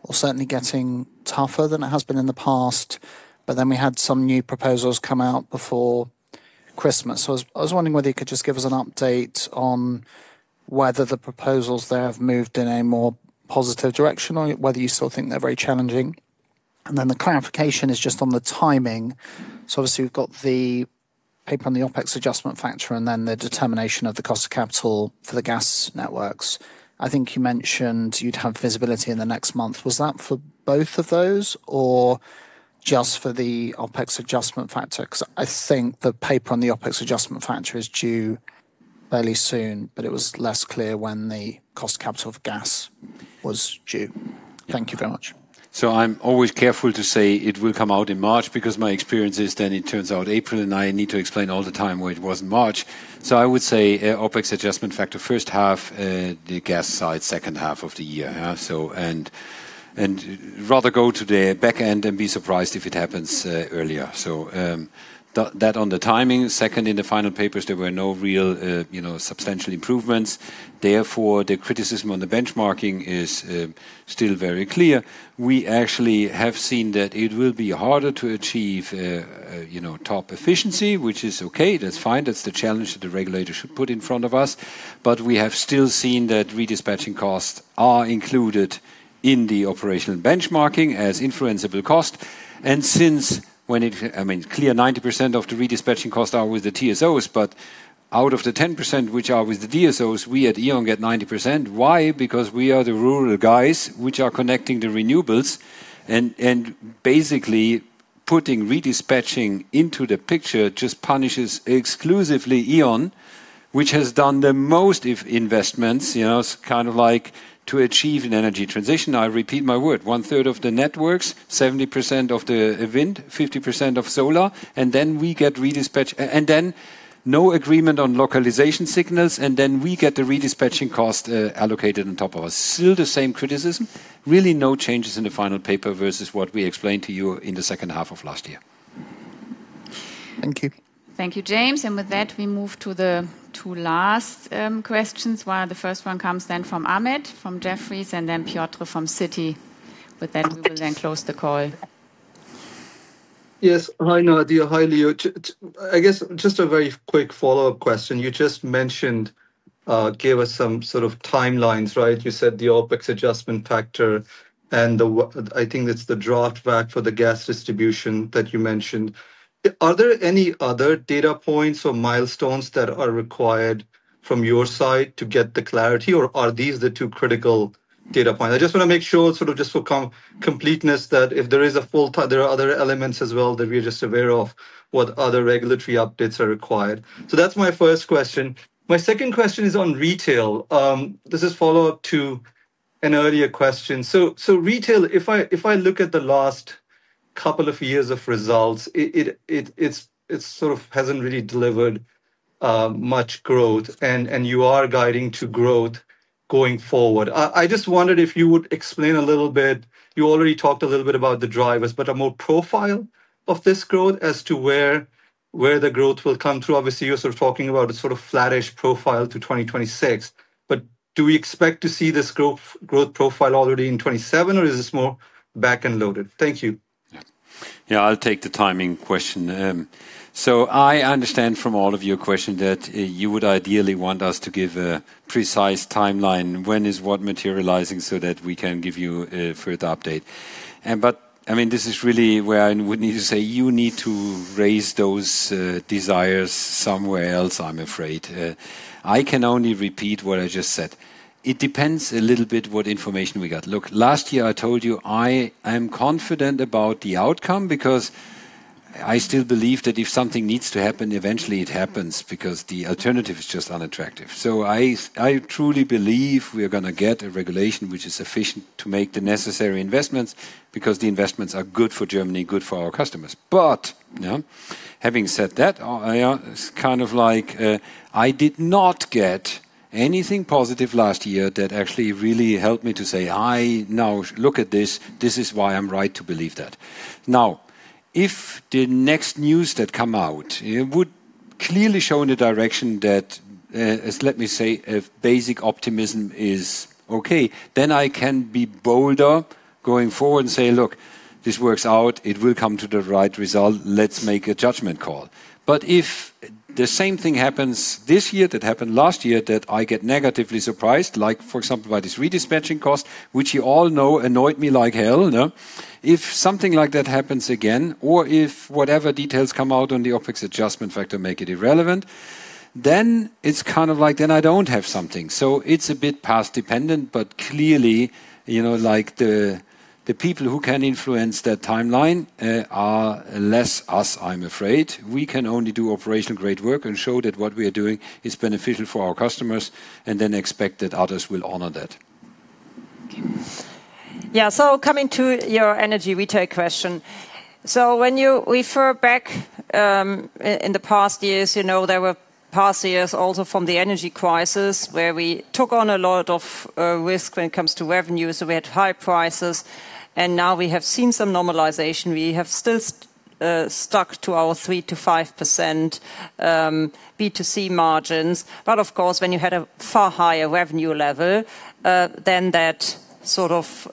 or certainly getting tougher than it has been in the past. We had some new proposals come out before Christmas. I was wondering whether you could just give us an update on whether the proposals there have moved in a more positive direction or whether you still think they're very challenging? The clarification is just on the timing. Obviously, we've got the paper on the OpEx adjustment factor and then the determination of the cost of capital for the gas networks. I think you mentioned you'd have visibility in the next month. Was that for both of those or just for the OpEx adjustment factor? 'Cause I think the paper on the OpEx adjustment factor is due fairly soon, but it was less clear when the cost capital of gas was due. Thank you very much. I'm always careful to say it will come out in March, because my experience is then it turns out April, and I need to explain all the time why it wasn't March. I would say, opex adjustment factor first half, the gas side, second half of the year, huh. And rather go to the back end than be surprised if it happens earlier. That on the timing. Second, in the final papers, there were no real, you know, substantial improvements. Therefore, the criticism on the benchmarking is still very clear. We actually have seen that it will be harder to achieve, you know, top efficiency, which is okay. That's fine. That's the challenge that the regulator should put in front of us. We have still seen that redispatching costs are included in the operational benchmarking as influencible cost, I mean, clear 90% of the redispatching costs are with the TSOs, but out of the 10% which are with the DSOs, we at E.ON get 90%. Why? Because we are the rural guys which are connecting the renewables, and basically putting redispatching into the picture just punishes exclusively E.ON, which has done the most investments. You know, it's kind of like to achieve an energy transition, I repeat my word, one third of the networks, 70% of the wind, 50% of solar, and then we get redispatch- and then no agreement on localization signals, and then we get the redispatching cost allocated on top of us. Still the same criticism, really no changes in the final paper versus what we explained to you in the second half of last year. Thank you. Thank you, James. With that, we move to the two last questions, while the first one comes then from Ahmed, from Jefferies, and then Piotr from Citi. We will then close the call. Yes. Hi, Nadia. Hi, Leo. I guess just a very quick follow-up question. You just mentioned, gave us some sort of timelines, right? You said the OpEx adjustment factor, and I think it's the draft fact for the gas distribution that you mentioned. Are there any other data points or milestones that are required from your side to get the clarity, or are these the two critical data points? I just wanna make sure, sort of just for completeness, that if there is a full time, there are other elements as well, that we're just aware of what other regulatory updates are required. That's my first question. My second question is on retail. This is a follow-up to an earlier question. Retail, if I look at the last couple of years of results, it sort of hasn't really delivered much growth, and you are guiding to growth going forward. I just wondered if you would explain a little bit. You already talked a little bit about the drivers, but a more profile of this growth as to where the growth will come through. Obviously, you're sort of talking about a sort of flattish profile to 2026, but do we expect to see this growth profile already in 2017, or is this more back-end loaded? Thank you. Yeah, I'll take the timing question. I understand from all of your question that you would ideally want us to give a precise timeline, when is what materializing, so that we can give you a further update. I mean, this is really where I would need to say you need to raise those desires somewhere else, I'm afraid. I can only repeat what I just said. It depends a little bit what information we got. Look, last year, I told you I am confident about the outcome because I still believe that if something needs to happen, eventually it happens, because the alternative is just unattractive. I truly believe we are gonna get a regulation which is sufficient to make the necessary investments, because the investments are good for Germany, good for our customers. Having said that, yeah, it's kind of like, I did not get anything positive last year that actually really helped me to say, "I now look at this. This is why I'm right to believe that." If the next news that come out, it would clearly show in the direction that, as let me say, a basic optimism is okay, then I can be bolder going forward and say, "Look, this works out. It will come to the right result. Let's make a judgment call." If the same thing happens this year that happened last year, that I get negatively surprised, like, for example, by this redispatching cost, which you all know annoyed me like hell, no? If something like that happens again, or if whatever details come out on the opex adjustment factor make it irrelevant, then it's kind of like, then I don't have something. It's a bit past dependent, but clearly, you know, like, the people who can influence that timeline are less us, I'm afraid. We can only do operational great work and show that what we are doing is beneficial for our customers, and then expect that others will honor that. Yeah. Coming to your Energy Retail question. When you refer back in the past years, you know, there were past years also from the energy crisis, where we took on a lot of risk when it comes to revenues. We had high prices, and now we have seen some normalization. We have still stuck to our 3%-5% B2C margins. Of course, when you had a far higher revenue level, then that sort of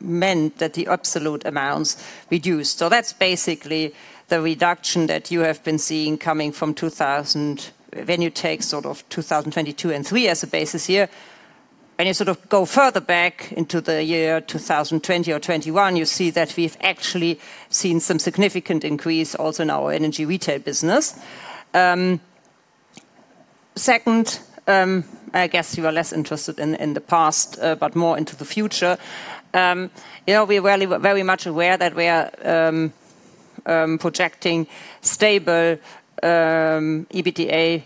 meant that the absolute amounts reduced. That's basically the reduction that you have been seeing coming from when you take sort of 2022 and 2023 as a basis here. When you sort of go further back into the year 2020 or 2021, you see that we've actually seen some significant increase also in our Energy Retail business. Second, I guess you are less interested in the past, but more into the future. You know, we're really very much aware that we are projecting stable EBITDA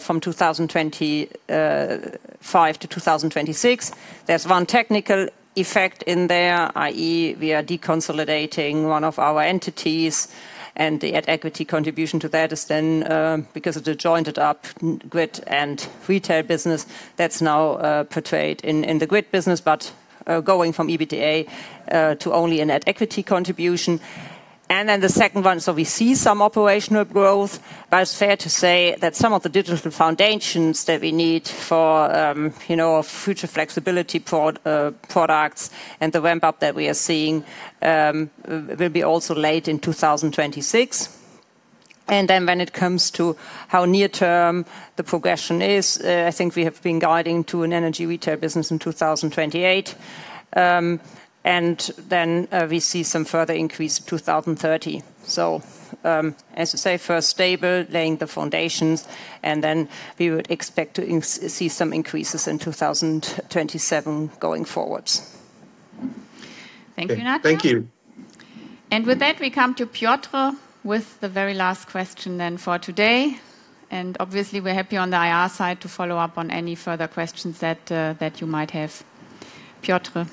from 2025 to 2026. There's one technical effect in there, i.e., we are deconsolidating one of our entities, and the net equity contribution to that is then because of the joint up grid and retail business that's now portrayed in the grid business, but going from EBITDA to only a net equity contribution. The second one, we see some operational growth, but it's fair to say that some of the digital foundations that we need for, you know, future flexibility products and the ramp up that we are seeing, will be also late in 2026. When it comes to how near-term the progression is, I think we have been guiding to an Energy Retail business in 2028. And then we see some further increase in 2030. As I say, first stable, laying the foundations, and then we would expect to see some increases in 2027 going forwards. Thank you. Thank you. With that, we come to Piotr with the very last question for today. Obviously, we're happy on the IR side to follow up on any further questions that you might have. Piotr? Hi,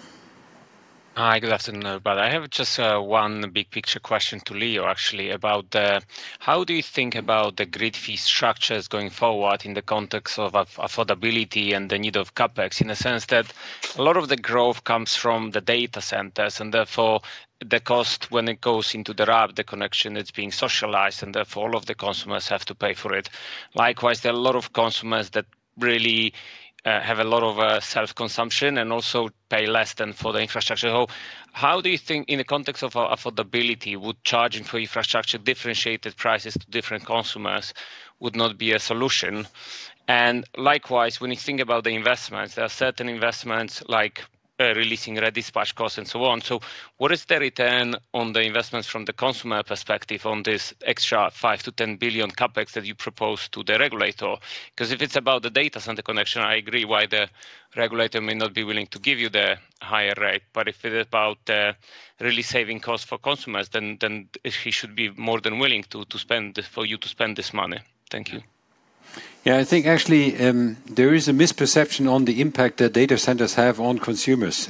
good afternoon, everybody. I have just one big picture question to Leo, actually, about the how do you think about the grid fee structures going forward in the context of affordability and the need of CapEx? In the sense that a lot of the growth comes from the data centers, and therefore, the cost when it goes into the RAB, the connection, it's being socialized, and therefore, all of the customers have to pay for it. Likewise, there are a lot of customers that really have a lot of self-consumption and also pay less than for the infrastructure. How do you think, in the context of affordability, would charging for infrastructure, differentiated prices to different consumers would not be a solution? Likewise, when you think about the investments, there are certain investments like releasing redispatch costs and so on. What is the return on the investments from the consumer perspective on this extra 5 billion-10 billion CapEx that you propose to the regulator? Because if it's about the data center connection, I agree why the regulator may not be willing to give you the higher rate, but if it's about really saving costs for consumers, then he should be more than willing to spend for you to spend this money. Thank you. Yeah, I think actually, there is a misperception on the impact that data centers have on consumers.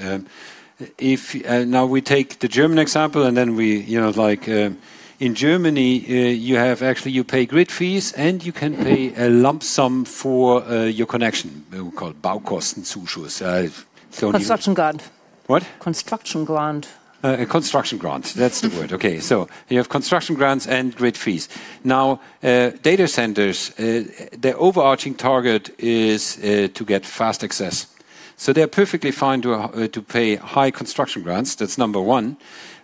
If now we take the German example, and then we, you know, like, in Germany, you have actually you pay grid fees, and you can pay a lump sum for your connection. They will call it Construction grant. What? Construction grant. Construction grant. That's the word. You have construction grants and grid fees. Data centers, their overarching target is to get fast access, so they're perfectly fine to pay high construction grants. That's number 1,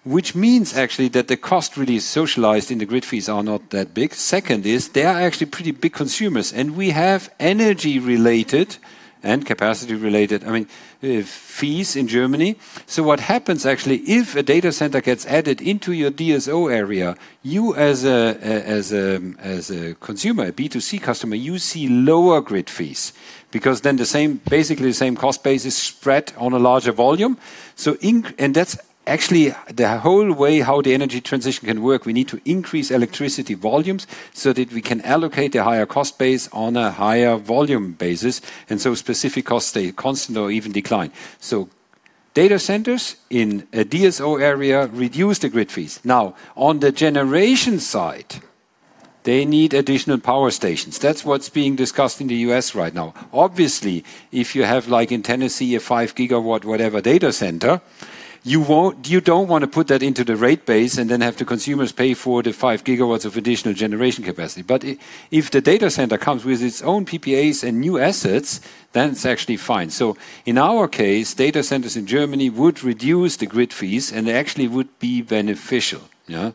which means actually that the cost really socialized in the grid fees are not that big. Second is, they are actually pretty big consumers, and we have energy-related and capacity-related, I mean, fees in Germany. What happens actually, if a data center gets added into your DSO area, you as a consumer, a B2C customer, you see lower grid fees, because then basically, the same cost base is spread on a larger volume. And that's actually the whole way how the energy transition can work. We need to increase electricity volumes so that we can allocate a higher cost base on a higher volume basis, and so specific costs stay constant or even decline. Data centers in a DSO area reduce the grid fees. Now, on the generation side, they need additional power stations. That's what's being discussed in the U.S. right now. Obviously, if you have, like in Tennessee, a 5-gigawatt whatever data center, you don't want to put that into the rate base and then have the consumers pay for the 5 GW of additional generation capacity. If the data center comes with its own PPAs and new assets, then it's actually fine. In our case, data centers in Germany would reduce the grid fees, and they actually would be beneficial. Yeah?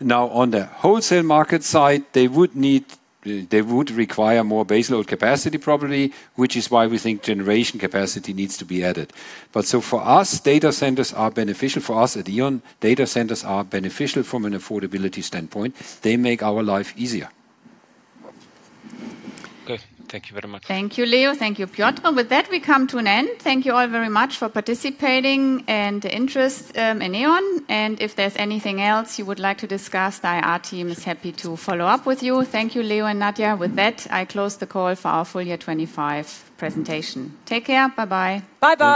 Now, on the wholesale market side, they would need... They would require more base load capacity, probably, which is why we think generation capacity needs to be added. For us, data centers are beneficial for us. At E.ON, data centers are beneficial from an affordability standpoint. They make our life easier. Good. Thank you very much. Thank you, Leo. Thank you, Piotr. With that, we come to an end. Thank you all very much for participating and the interest in E.ON, if there's anything else you would like to discuss, our team is happy to follow up with you. Thank you, Leo and Nadia. With that, I close the call for our full year 2025 presentation. Take care. Bye-bye. Bye-bye!